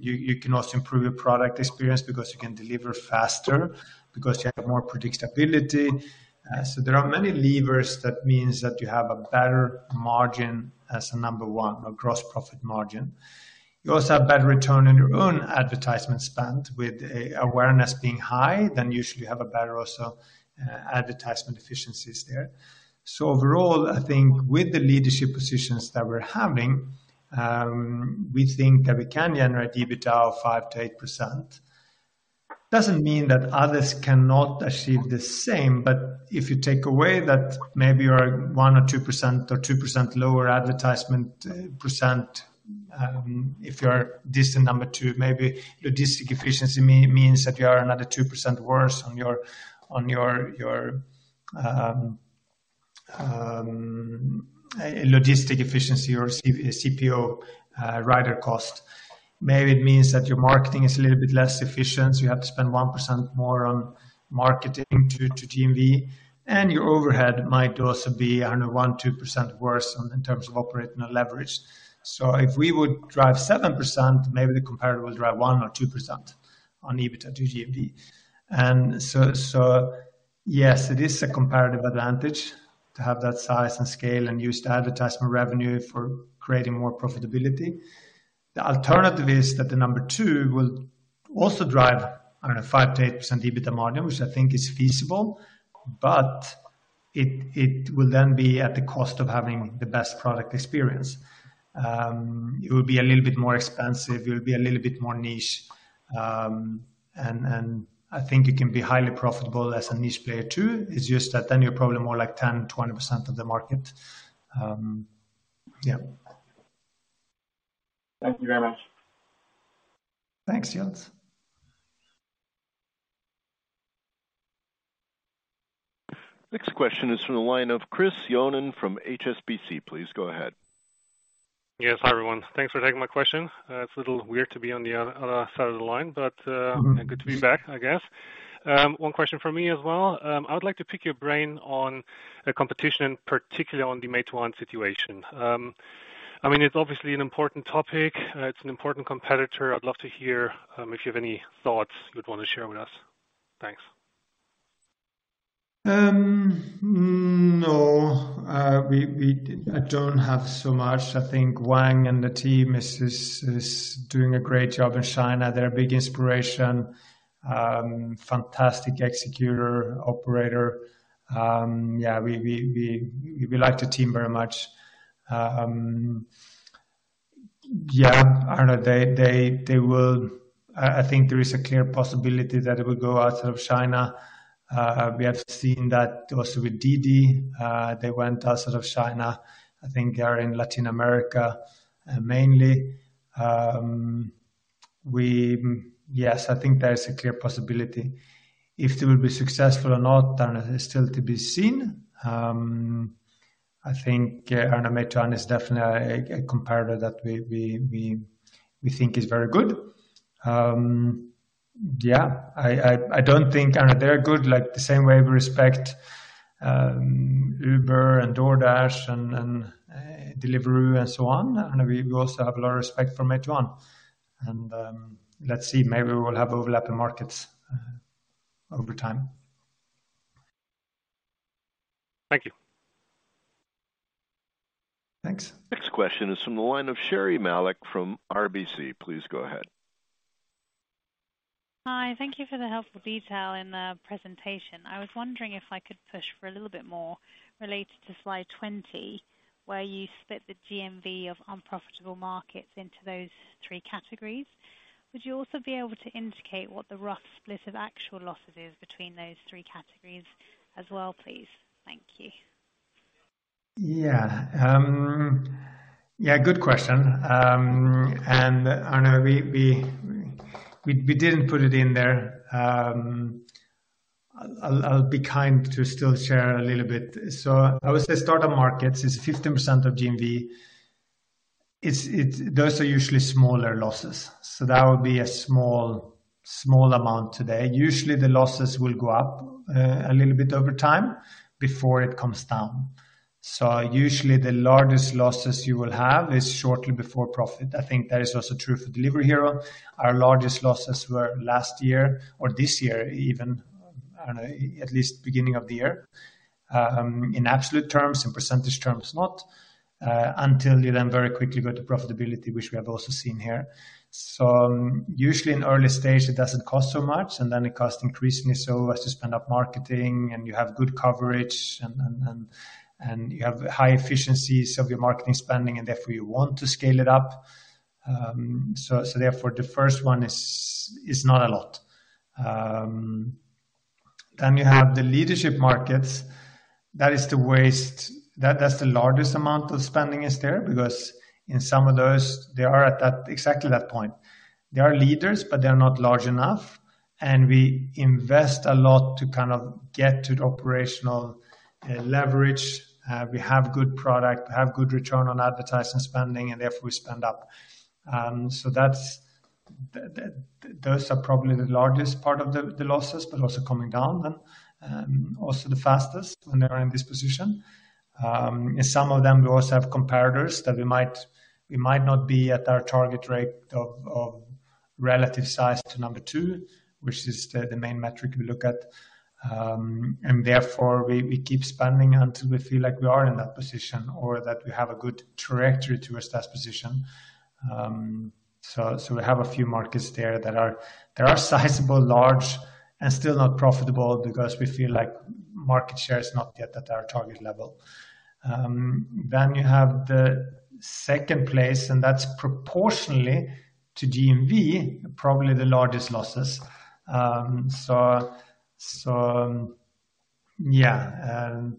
You can also improve your product experience because you can deliver faster, because you have more predictability. There are many levers that means that you have a better margin as a number one, a gross profit margin. You also have better return on your own advertisement spend. With awareness being high, then usually you have a better also, advertisement efficiencies there. Overall, I think with the leadership positions that we're having, we think that we can generate EBITDA of 5%-8%. Doesn't mean that others cannot achieve the same, but if you take away that maybe you're 1% or 2% lower advertisement percent, if you're distant number two, maybe logistic efficiency means that you are another 2% worse on your logistic efficiency or CPO, rider cost. Maybe it means that your marketing is a little bit less efficient, so you have to spend 1% more on marketing to GMV, and your overhead might also be, I don't know, 1%-2% worse in terms of operating leverage. If we would drive 7%, maybe the competitor will drive 1% or 2% on EBITDA to GMV. Yes, it is a comparative advantage to have that size and scale and use the advertisement revenue for creating more profitability. The alternative is that the number two will also drive, I don't know, 5%-8% EBITDA margin, which I think is feasible, but it will then be at the cost of having the best product experience. It will be a little bit more expensive. It will be a little bit more niche. And I think it can be highly profitable as a niche player too. It's just that then you're probably more like 10, 20% of the market. Thank you very much. Thanks, Giles Thorne. Next question is from the line of Christopher Johnen from HSBC. Please go ahead. Yes. Hi, everyone. Thanks for taking my question. It's a little weird to be on the other side of the line, but Mm-hmm. Good to be back, I guess. One question from me as well. I would like to pick your brain on the competition, particularly on the Meituan situation. I mean, it's obviously an important topic. It's an important competitor. I'd love to hear if you have any thoughts you'd wanna share with us. Thanks. No. We—I don't have so much. I think Wang and the team is doing a great job in China. They're a big inspiration. Fantastic executor, operator. Yeah, we like the team very much. Yeah, I don't know. I think there is a clear possibility that it will go out of China. We have seen that also with Didi. They went out of China. I think they are in Latin America mainly. Yes, I think there is a clear possibility. If they will be successful or not, I don't know, is still to be seen. I think, yeah. I know Meituan is definitely a competitor that we think is very good. Yeah. I don't think. I know they're good, like, the same way we respect Uber and DoorDash and Deliveroo and so on. I know we also have a lot of respect for Meituan. Let's see. Maybe we will have overlapping markets over time. Thank you. Thanks. Next question is from the line of Sherri Malek from RBC. Please go ahead. Hi. Thank you for the helpful detail in the presentation. I was wondering if I could push for a little bit more related to slide 20, where you split the GMV of unprofitable markets into those three categories. Would you also be able to indicate what the rough split of actual losses is between those three categories as well, please? Thank you. Yeah. Yeah, good question. I know we didn't put it in there. I'll be kind to still share a little bit. I would say startup markets is 15% of GMV. Those are usually smaller losses. That would be a small amount today. Usually, the losses will go up a little bit over time before it comes down. Usually, the largest losses you will have is shortly before profit. I think that is also true for Delivery Hero. Our largest losses were last year or this year, even. I don't know, at least beginning of the year, in absolute terms, in percentage terms, not until you then very quickly go to profitability, which we have also seen here. Usually in early stage, it doesn't cost so much, and then it costs increasingly. As you scale up marketing and you have good coverage and you have high efficiencies of your marketing spending, and therefore you want to scale it up. Therefore the first one is not a lot. Then you have the leading markets. That is the vast. That's the largest amount of spending is there because in some of those, they are at exactly that point. They are leaders, but they are not large enough. We invest a lot to kind of get to the operational leverage. We have good product. We have good return on advertising spending and therefore we scale up. That's Those are probably the largest part of the losses, but also coming down then also the fastest when they are in this position. In some of them we also have competitors that we might not be at our target rate of relative size to number two, which is the main metric we look at. Therefore we keep spending until we feel like we are in that position or that we have a good trajectory towards that position. We have a few markets there that are sizable, large and still not profitable because we feel like market share is not yet at our target level. You have the second place, and that's proportionally to GMV, probably the largest losses. Yeah.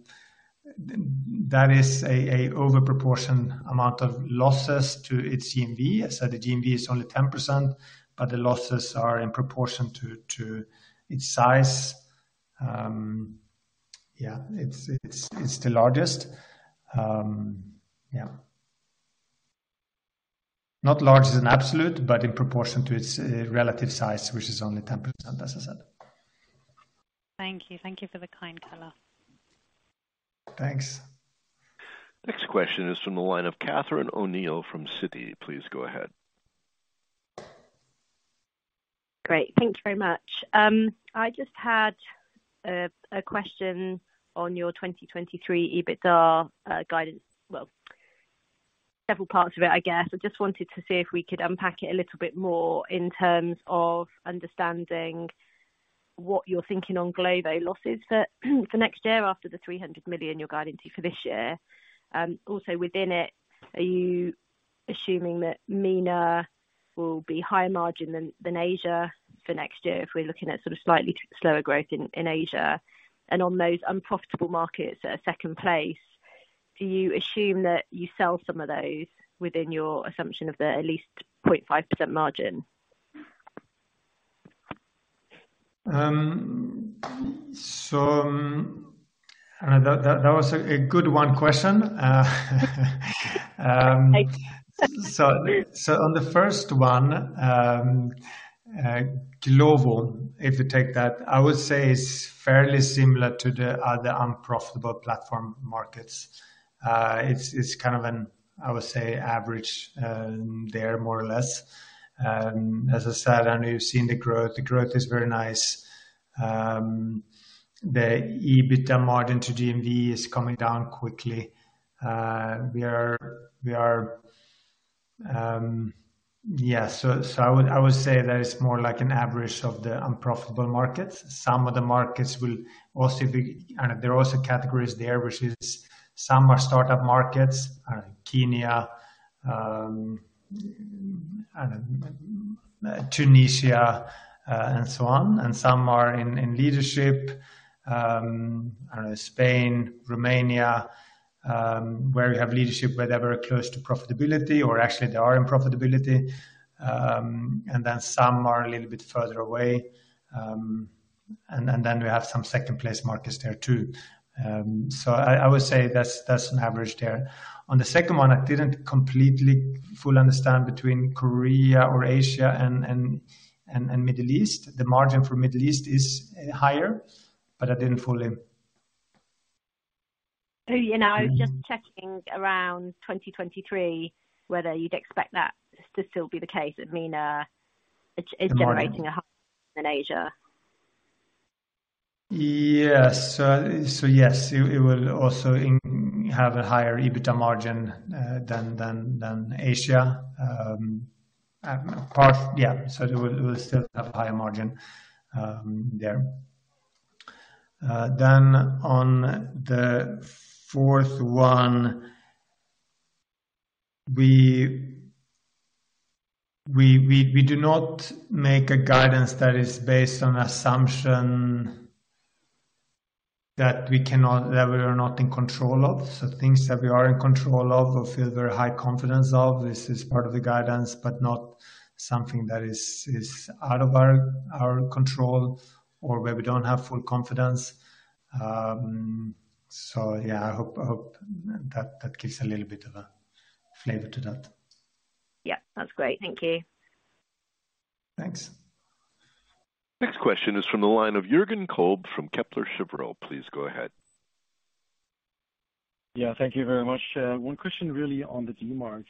That is a disproportionate amount of losses to its GMV. The GMV is only 10%, but the losses are in proportion to its size. It's the largest. Not as large in absolute, but in proportion to its relative size, which is only 10%, as I said. Thank you. Thank you for the kind call. Thanks. Next question is from the line of Catherine O'Neill from Citi. Please go ahead. Great. Thank you very much. I just had a question on your 2023 EBITDA guidance. Well, several parts of it, I guess. I just wanted to see if we could unpack it a little bit more in terms of understanding what you're thinking on Glovo losses for next year after the 300 million you're guiding to for this year. Also within it, are you assuming that MENA will be higher margin than Asia for next year if we're looking at sort of slightly slower growth in Asia? On those unprofitable markets as a second point, do you assume that you sell some of those within your assumption of the at least 0.5% margin? That was a good one question. Thank you. On the first one, Glovo, if you take that, I would say is fairly similar to the other unprofitable platform markets. It's kind of an, I would say, average there, more or less. As I said, and you've seen the growth, the growth is very nice. The EBITDA margin to GMV is coming down quickly. I would say that it's more like an average of the unprofitable markets. There are also categories there, which is some are startup markets, Kenya, I don't know, Tunisia, and so on. Some are in leadership, I don't know, Spain, Romania, where we have leadership, but they're very close to profitability, or actually they are in profitability. Some are a little bit further away. We have some second-place markets there too. I would say that's an average there. On the second one, I didn't completely fully understand between Korea or Asia and Middle East. The margin for Middle East is higher, but I didn't fully. Oh, yeah, no. I was just checking around 2023 whether you'd expect that to still be the case, that MENA is generating- The margin. A higher than Asia. Yes. It will also have a higher EBITDA margin than Asia. Yeah. It will still have higher margin there. On the fourth one, we do not make a guidance that is based on assumption that we are not in control of. Things that we are in control of or feel very high confidence of. This is part of the guidance, but not something that is out of our control or where we don't have full confidence. Yeah, I hope that gives a little bit of a flavor to that. Yeah. That's great. Thank you. Thanks. Next question is from the line of Jürgen Kolb from Kepler Cheuvreux. Please go ahead. Yeah, thank you very much. One question really on the D-Marts.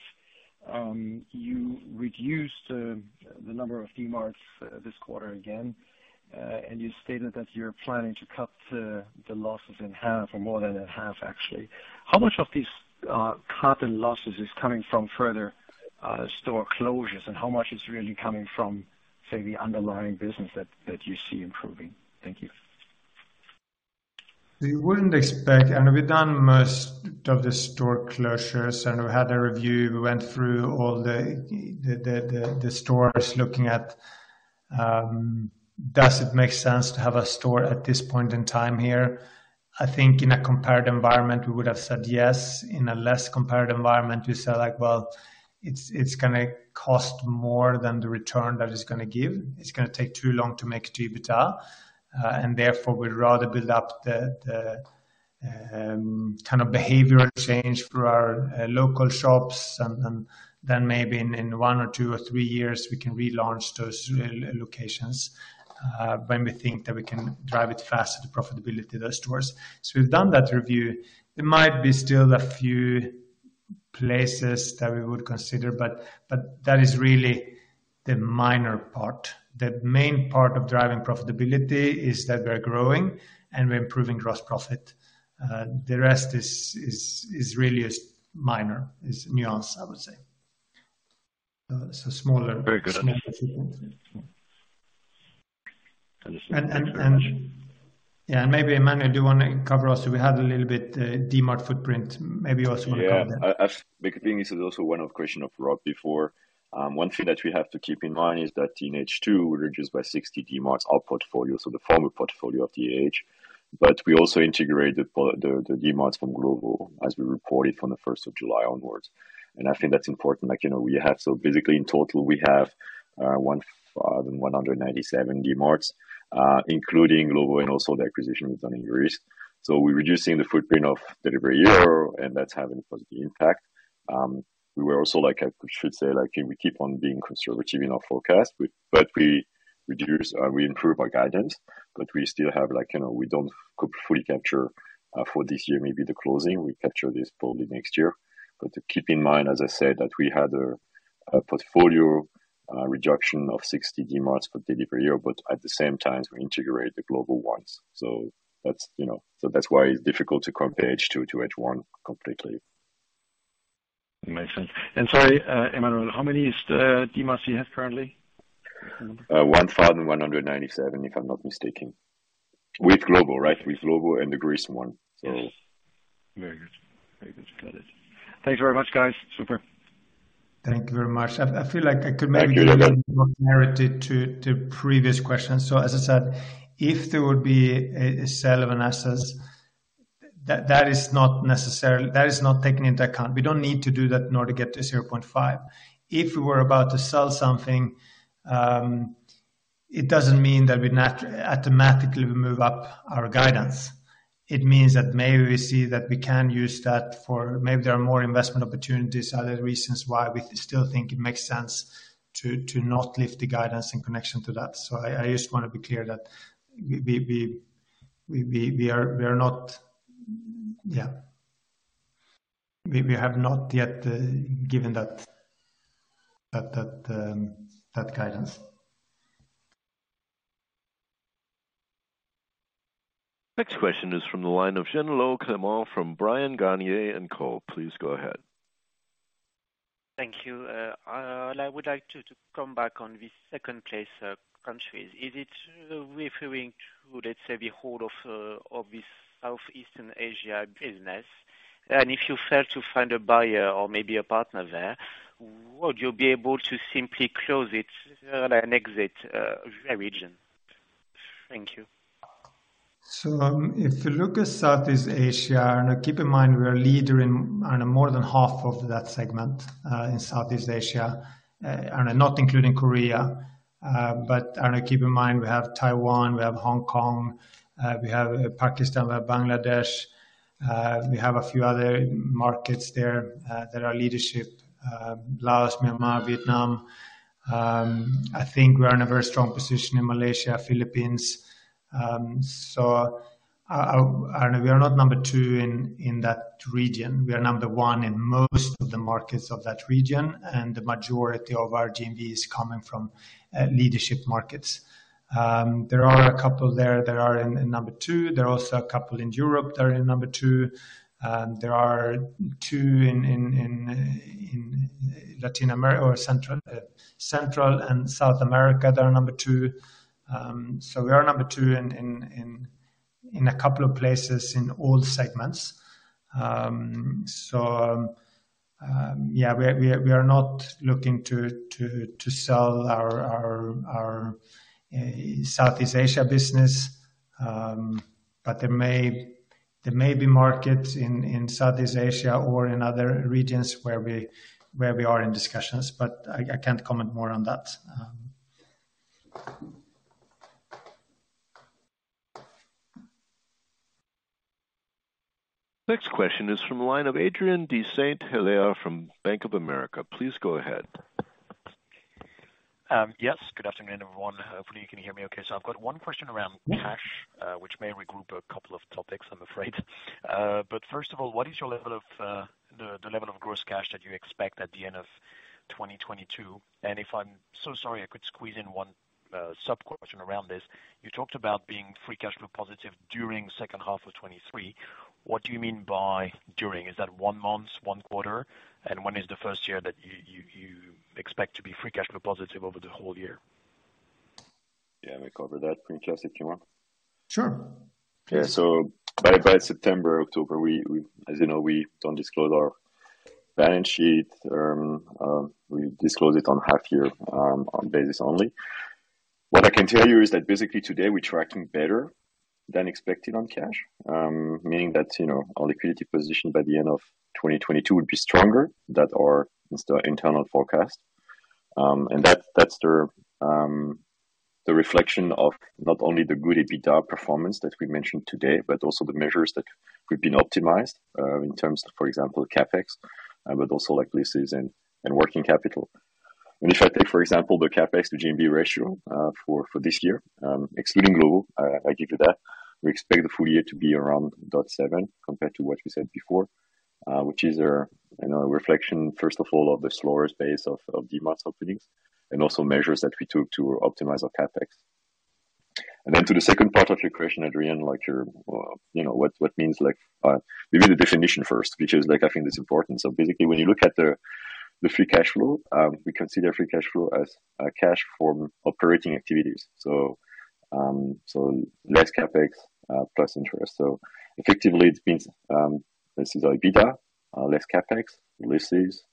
You reduced the number of D-Marts this quarter again, and you stated that you're planning to cut the losses in half or more than in half, actually. How much of these cut in losses is coming from further store closures and how much is really coming from, say, the underlying business that you see improving? Thank you. We wouldn't expect. We've done most of the store closures, and we had a review. We went through all the stores looking at, does it make sense to have a store at this point in time here? I think in a competitive environment, we would have said yes. In a less competitive environment, we say like, "Well, it's gonna cost more than the return that it's gonna give. It's gonna take too long to get to EBITDA, and therefore we'd rather build up the kind of behavioral change for our local shops, and then maybe in one or two or three years, we can relaunch those locations, when we think that we can drive it faster to profitability, those stores." We've done that review. There might be still a few places that we would consider, but that is really the minor part. The main part of driving profitability is that we're growing and we're improving gross profit. The rest is really minor, nuance, I would say. Very good. Smaller footprint. Yeah, maybe Emmanuel, do you wanna cover also, we had a little bit Dmart footprint, maybe you also wanna cover that. I've because I think this is also one of the questions of Rob before. One thing that we have to keep in mind is that in H2, we reduced by 60 D-Marts our portfolio, so the former portfolio of DH. We also integrated the D-Marts from Glovo as we reported from the first of July onwards. I think that's important, like, you know. Basically, in total, we have 1,197 D-Marts, including Glovo and also the acquisition we've done in Greece. We're reducing the footprint of Delivery Hero, and that's having a positive impact. We were also like, I should say, like, you know, we keep on being conservative in our forecast. We improve our guidance, but we still have, like, you know, we don't fully capture for this year, maybe the closing. We capture this probably next year. To keep in mind, as I said, that we had a portfolio reduction of 60 D-Marts per delivery year, but at the same time, we integrate the Glovo ones. That's, you know, why it's difficult to compare H2 to H1 completely. Makes sense. Sorry, Emmanuel, how many is the D-Marts you have currently? 1,197, if I'm not mistaken. With Glovo, right? With Glovo and the Greece one. Yes. Very good. Got it. Thanks very much, guys. Super. Thank you very much. I feel like I could maybe. Thank you. Add more clarity to previous questions. As I said, if there would be a sale of assets, that is not necessarily taken into account. We don't need to do that in order to get to 0.5. If we were about to sell something, it doesn't mean that we automatically will move up our guidance. It means that maybe we see that we can use that. Maybe there are more investment opportunities, other reasons why we still think it makes sense to not lift the guidance in connection to that. I just wanna be clear. We have not yet given that guidance. Next question is from the line of Clément Genelot from Bryan, Garnier & Co. Please go ahead. Thank you. I would like to come back on the second place countries. Is it referring to, let's say, the whole of this Southeast Asia business? If you fail to find a buyer or maybe a partner there, would you be able to simply close it and exit the region? Thank you. If you look at Southeast Asia, and keep in mind we are a leader in more than half of that segment, in Southeast Asia, and not including Korea. Keep in mind, we have Taiwan, we have Hong Kong, we have Pakistan, we have Bangladesh. We have a few other markets there, that are leadership, Laos, Myanmar, Vietnam. I think we are in a very strong position in Malaysia, Philippines. I don't know, we are not number two in that region. We are number one in most of the markets of that region, and the majority of our GMV is coming from leadership markets. There are a couple there that are in number two. There are also a couple in Europe that are in number two. There are two in Central and South America that are number two. We are number two in a couple of places in all segments. Yeah, we are not looking to sell our Southeast Asia business. There may be markets in Southeast Asia or in other regions where we are in discussions, but I can't comment more on that. Next question is from the line of Adrien de Saint Hilaire from Bank of America. Please go ahead. Yes. Good afternoon, everyone. Hopefully, you can hear me okay. I've got one question around cash, which may regroup a couple of topics, I'm afraid. First of all, what is the level of gross cash that you expect at the end of 2022? I'm so sorry, I could squeeze in one sub-question around this. You talked about being free cash flow positive during second half of 2023. What do you mean by during? Is that one month, one quarter? When is the first year that you expect to be free cash flow positive over the whole year? Yeah, I may cover that, Adrien de Saint Hilaire, if you want. Sure. By September, October, as you know, we don't disclose our balance sheet. We disclose it on half year basis only. What I can tell you is that basically today we're tracking better than expected on cash, meaning that, you know, our liquidity position by the end of 2022 would be stronger than our instant internal forecast. That's the reflection of not only the good EBITDA performance that we mentioned today, but also the measures that we've been optimizing in terms of, for example, CapEx, but also like leases and working capital. If I take, for example, the CapEx to GMV ratio for this year, excluding Glovo, I give you that. We expect the full year to be around 0.7 compared to what we said before, which is a reflection, first of all, of the slower pace of D-Marts openings and also measures that we took to optimize our CapEx. To the second part of your question, Adrien, like, you know what that means, like, maybe the definition first, which is, like, I think is important. Basically, when you look at the free cash flow, we consider free cash flow as cash from operating activities less CapEx plus interest. Effectively it means this is our EBITDA less CapEx leases,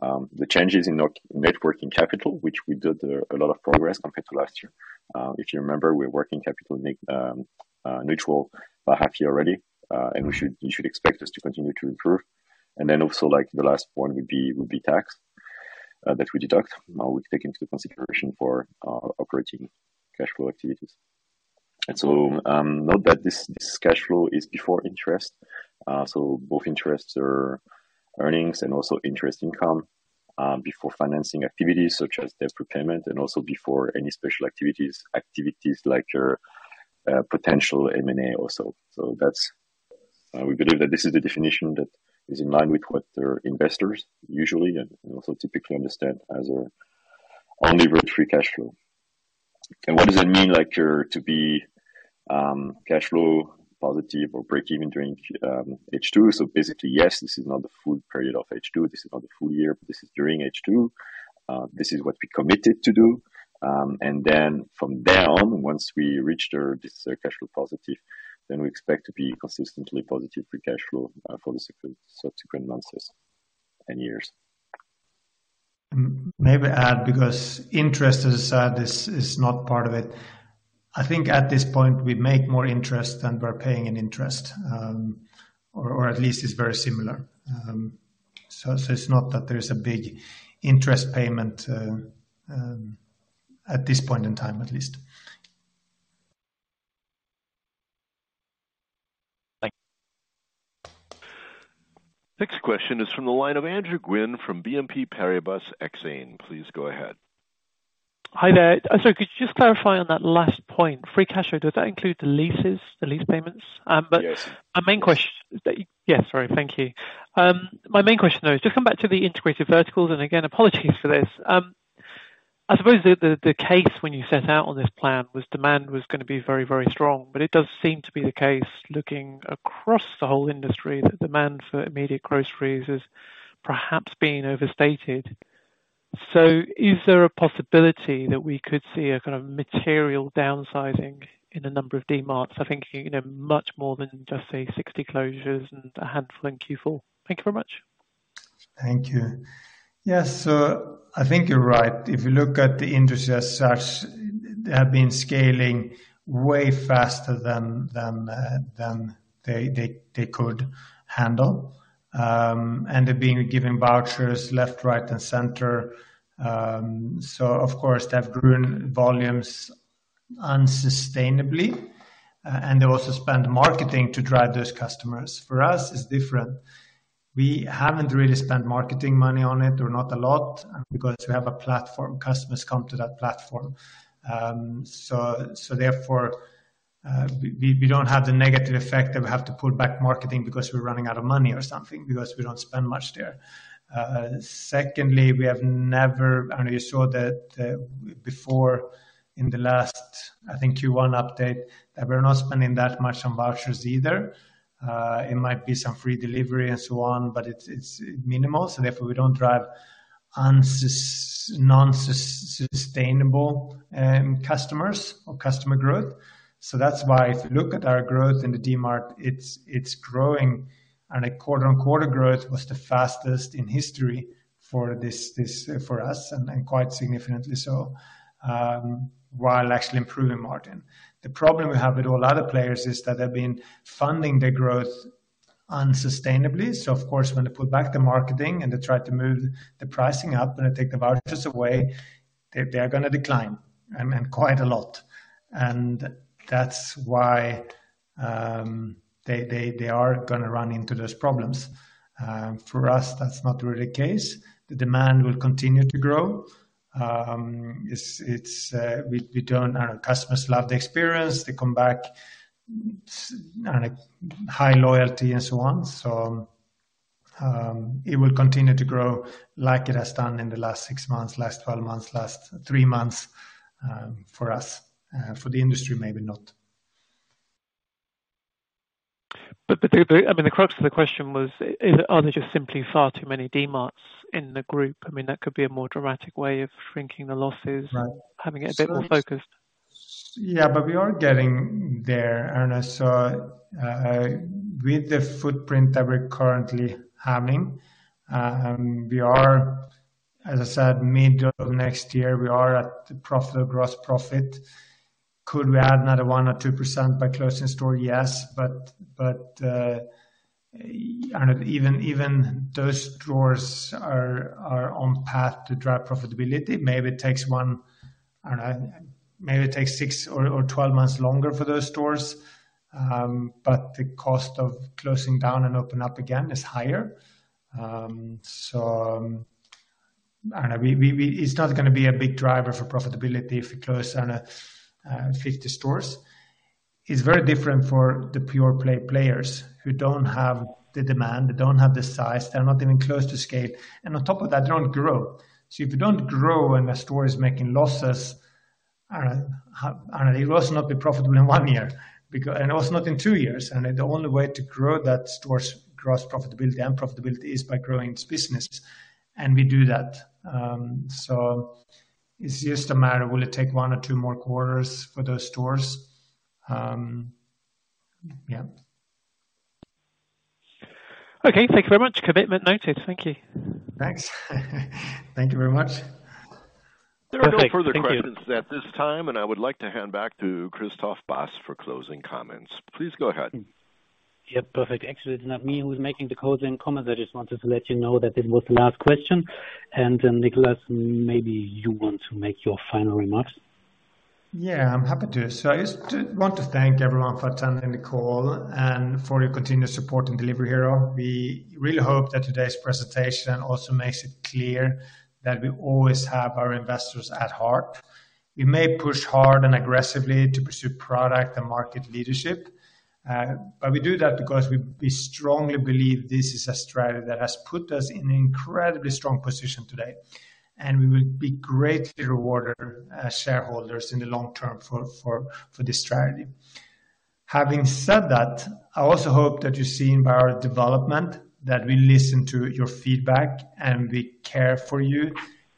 the changes in our net working capital, which we made a lot of progress compared to last year. If you remember, we're working capital neutral by half year already. You should expect us to continue to improve. Then also like the last point would be tax that we deduct we take into consideration for operating cash flow activities. Note that this cash flow is before interest. Both interest expenses and also interest income, before financing activities such as debt prepayment and also before any special activities like our potential M&A also. We believe that this is the definition that is in line with what our investors usually and also typically understand as our only free cash flow. What does that mean, like to be cash flow positive or break even during H2? Basically, yes, this is not the full period of H2. This is not the full year, but this is during H2. This is what we committed to do. From there on, once we reach there, this cash flow positive, then we expect to be consistently positive free cash flow, for the subsequent months and years. Maybe add because interest, as I said, is not part of it. I think at this point, we make more interest than we're paying in interest, or at least it's very similar. It's not that there is a big interest payment, at this point in time at least. Thank you. Next question is from the line of Andrew Gwynn from BNP Paribas Exane. Please go ahead. Hi there. Could you just clarify on that last point, free cash flow. Does that include the leases, the lease payments? Yes. My main question, though, is just come back to the Integrated Verticals. Again, apologies for this. I suppose the case when you set out on this plan was demand was gonna be very, very strong. It does seem to be the case looking across the whole industry that demand for immediate groceries is perhaps being overstated. Is there a possibility that we could see a kind of material downsizing in a number of D-Marts? I think, you know, much more than just say 60 closures and a handful in Q4. Thank you very much. Thank you. Yes. I think you're right. If you look at the industry as such, they have been scaling way faster than they could handle. They're being given vouchers left, right, and center. Of course, they have grown volumes unsustainably, and they also spend marketing to drive those customers. For us, it's different. We haven't really spent marketing money on it or not a lot, because we have a platform. Customers come to that platform. We don't have the negative effect of have to pull back marketing because we're running out of money or something because we don't spend much there. Secondly, you saw that before in the last, I think, Q1 update, that we're not spending that much on vouchers either. It might be some free delivery and so on, but it's minimal. Therefore, we don't drive unsustainable customers or customer growth. That's why if you look at our growth in the Dmart, it's growing and quarter-on-quarter growth was the fastest in history for us and quite significantly so, while actually improving margin. The problem we have with all other players is that they've been funding their growth unsustainably. Of course, when they pull back the marketing and they try to move the pricing up and they take the vouchers away, they are gonna decline and quite a lot. That's why they are gonna run into those problems. For us, that's not really the case. The demand will continue to grow. I don't know. Customers love the experience. They come back and high loyalty and so on. It will continue to grow like it has done in the last six months, last 12 months, last three months, for us. For the industry, maybe not. I mean, the crux of the question was, are there just simply far too many D-Marts in the group? I mean, that could be a more dramatic way of shrinking the losses. Right. Having it a bit more focused. Yeah, we are getting there. With the footprint that we're currently having, and we are, as I said, mid next year, we are at gross profit. Could we add another 1% or 2% by closing stores? Yes. Even those stores are on path to drive profitability. Maybe it takes one. I don't know. Maybe it takes six or 12 months longer for those stores, but the cost of closing down and open up again is higher. I don't know. It's not gonna be a big driver for profitability if we close, I don't know, 50 stores. It's very different for the pure play players who don't have the demand, they don't have the size, they're not even close to scale, and on top of that, they don't grow. If you don't grow and a store is making losses, and it would not be profitable in one year and it would not be in two years. The only way to grow that store's gross profitability and profitability is by growing its business. We do that. It's just a matter, will it take one or two more quarters for those stores? Yeah. Okay. Thank you very much. Commitment noted. Thank you. Thanks. Thank you very much. Perfect. Thank you. There are no further questions at this time, and I would like to hand back to Christoph Bast for closing comments. Please go ahead. Yeah, perfect. Actually, it's not me who's making the closing comment. I just wanted to let you know that it was the last question. Niklas, maybe you want to make your final remarks. Yeah, I'm happy to. I just want to thank everyone for attending the call and for your continued support in Delivery Hero. We really hope that today's presentation also makes it clear that we always have our investors at heart. We may push hard and aggressively to pursue product and market leadership. But we do that because we strongly believe this is a strategy that has put us in an incredibly strong position today, and we will be greatly rewarded as shareholders in the long term for this strategy. Having said that, I also hope that you've seen by our development that we listen to your feedback, and we care for you,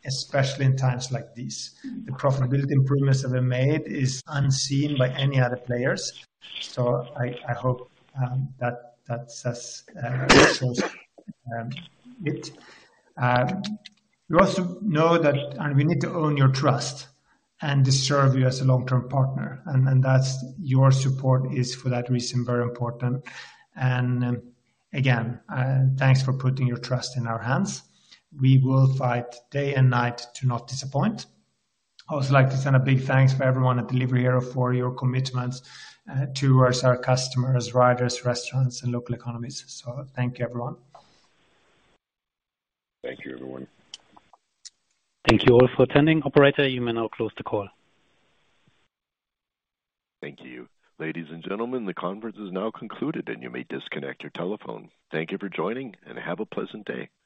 especially in times like these. The profitability improvements that we've made is unseen by any other players. I hope that that says it. We also know that, and we need to own your trust and deserve you as a long-term partner. Your support is for that reason, very important. Again, thanks for putting your trust in our hands. We will fight day and night to not disappoint. I'd also like to send a big thanks for everyone at Delivery Hero for your commitment towards our customers, riders, restaurants, and local economies. Thank you, everyone. Thank you, everyone. Thank you all for attending. Operator, you may now close the call. Thank you. Ladies and gentlemen, the conference is now concluded, and you may disconnect your telephone. Thank you for joining, and have a pleasant day. Goodbye.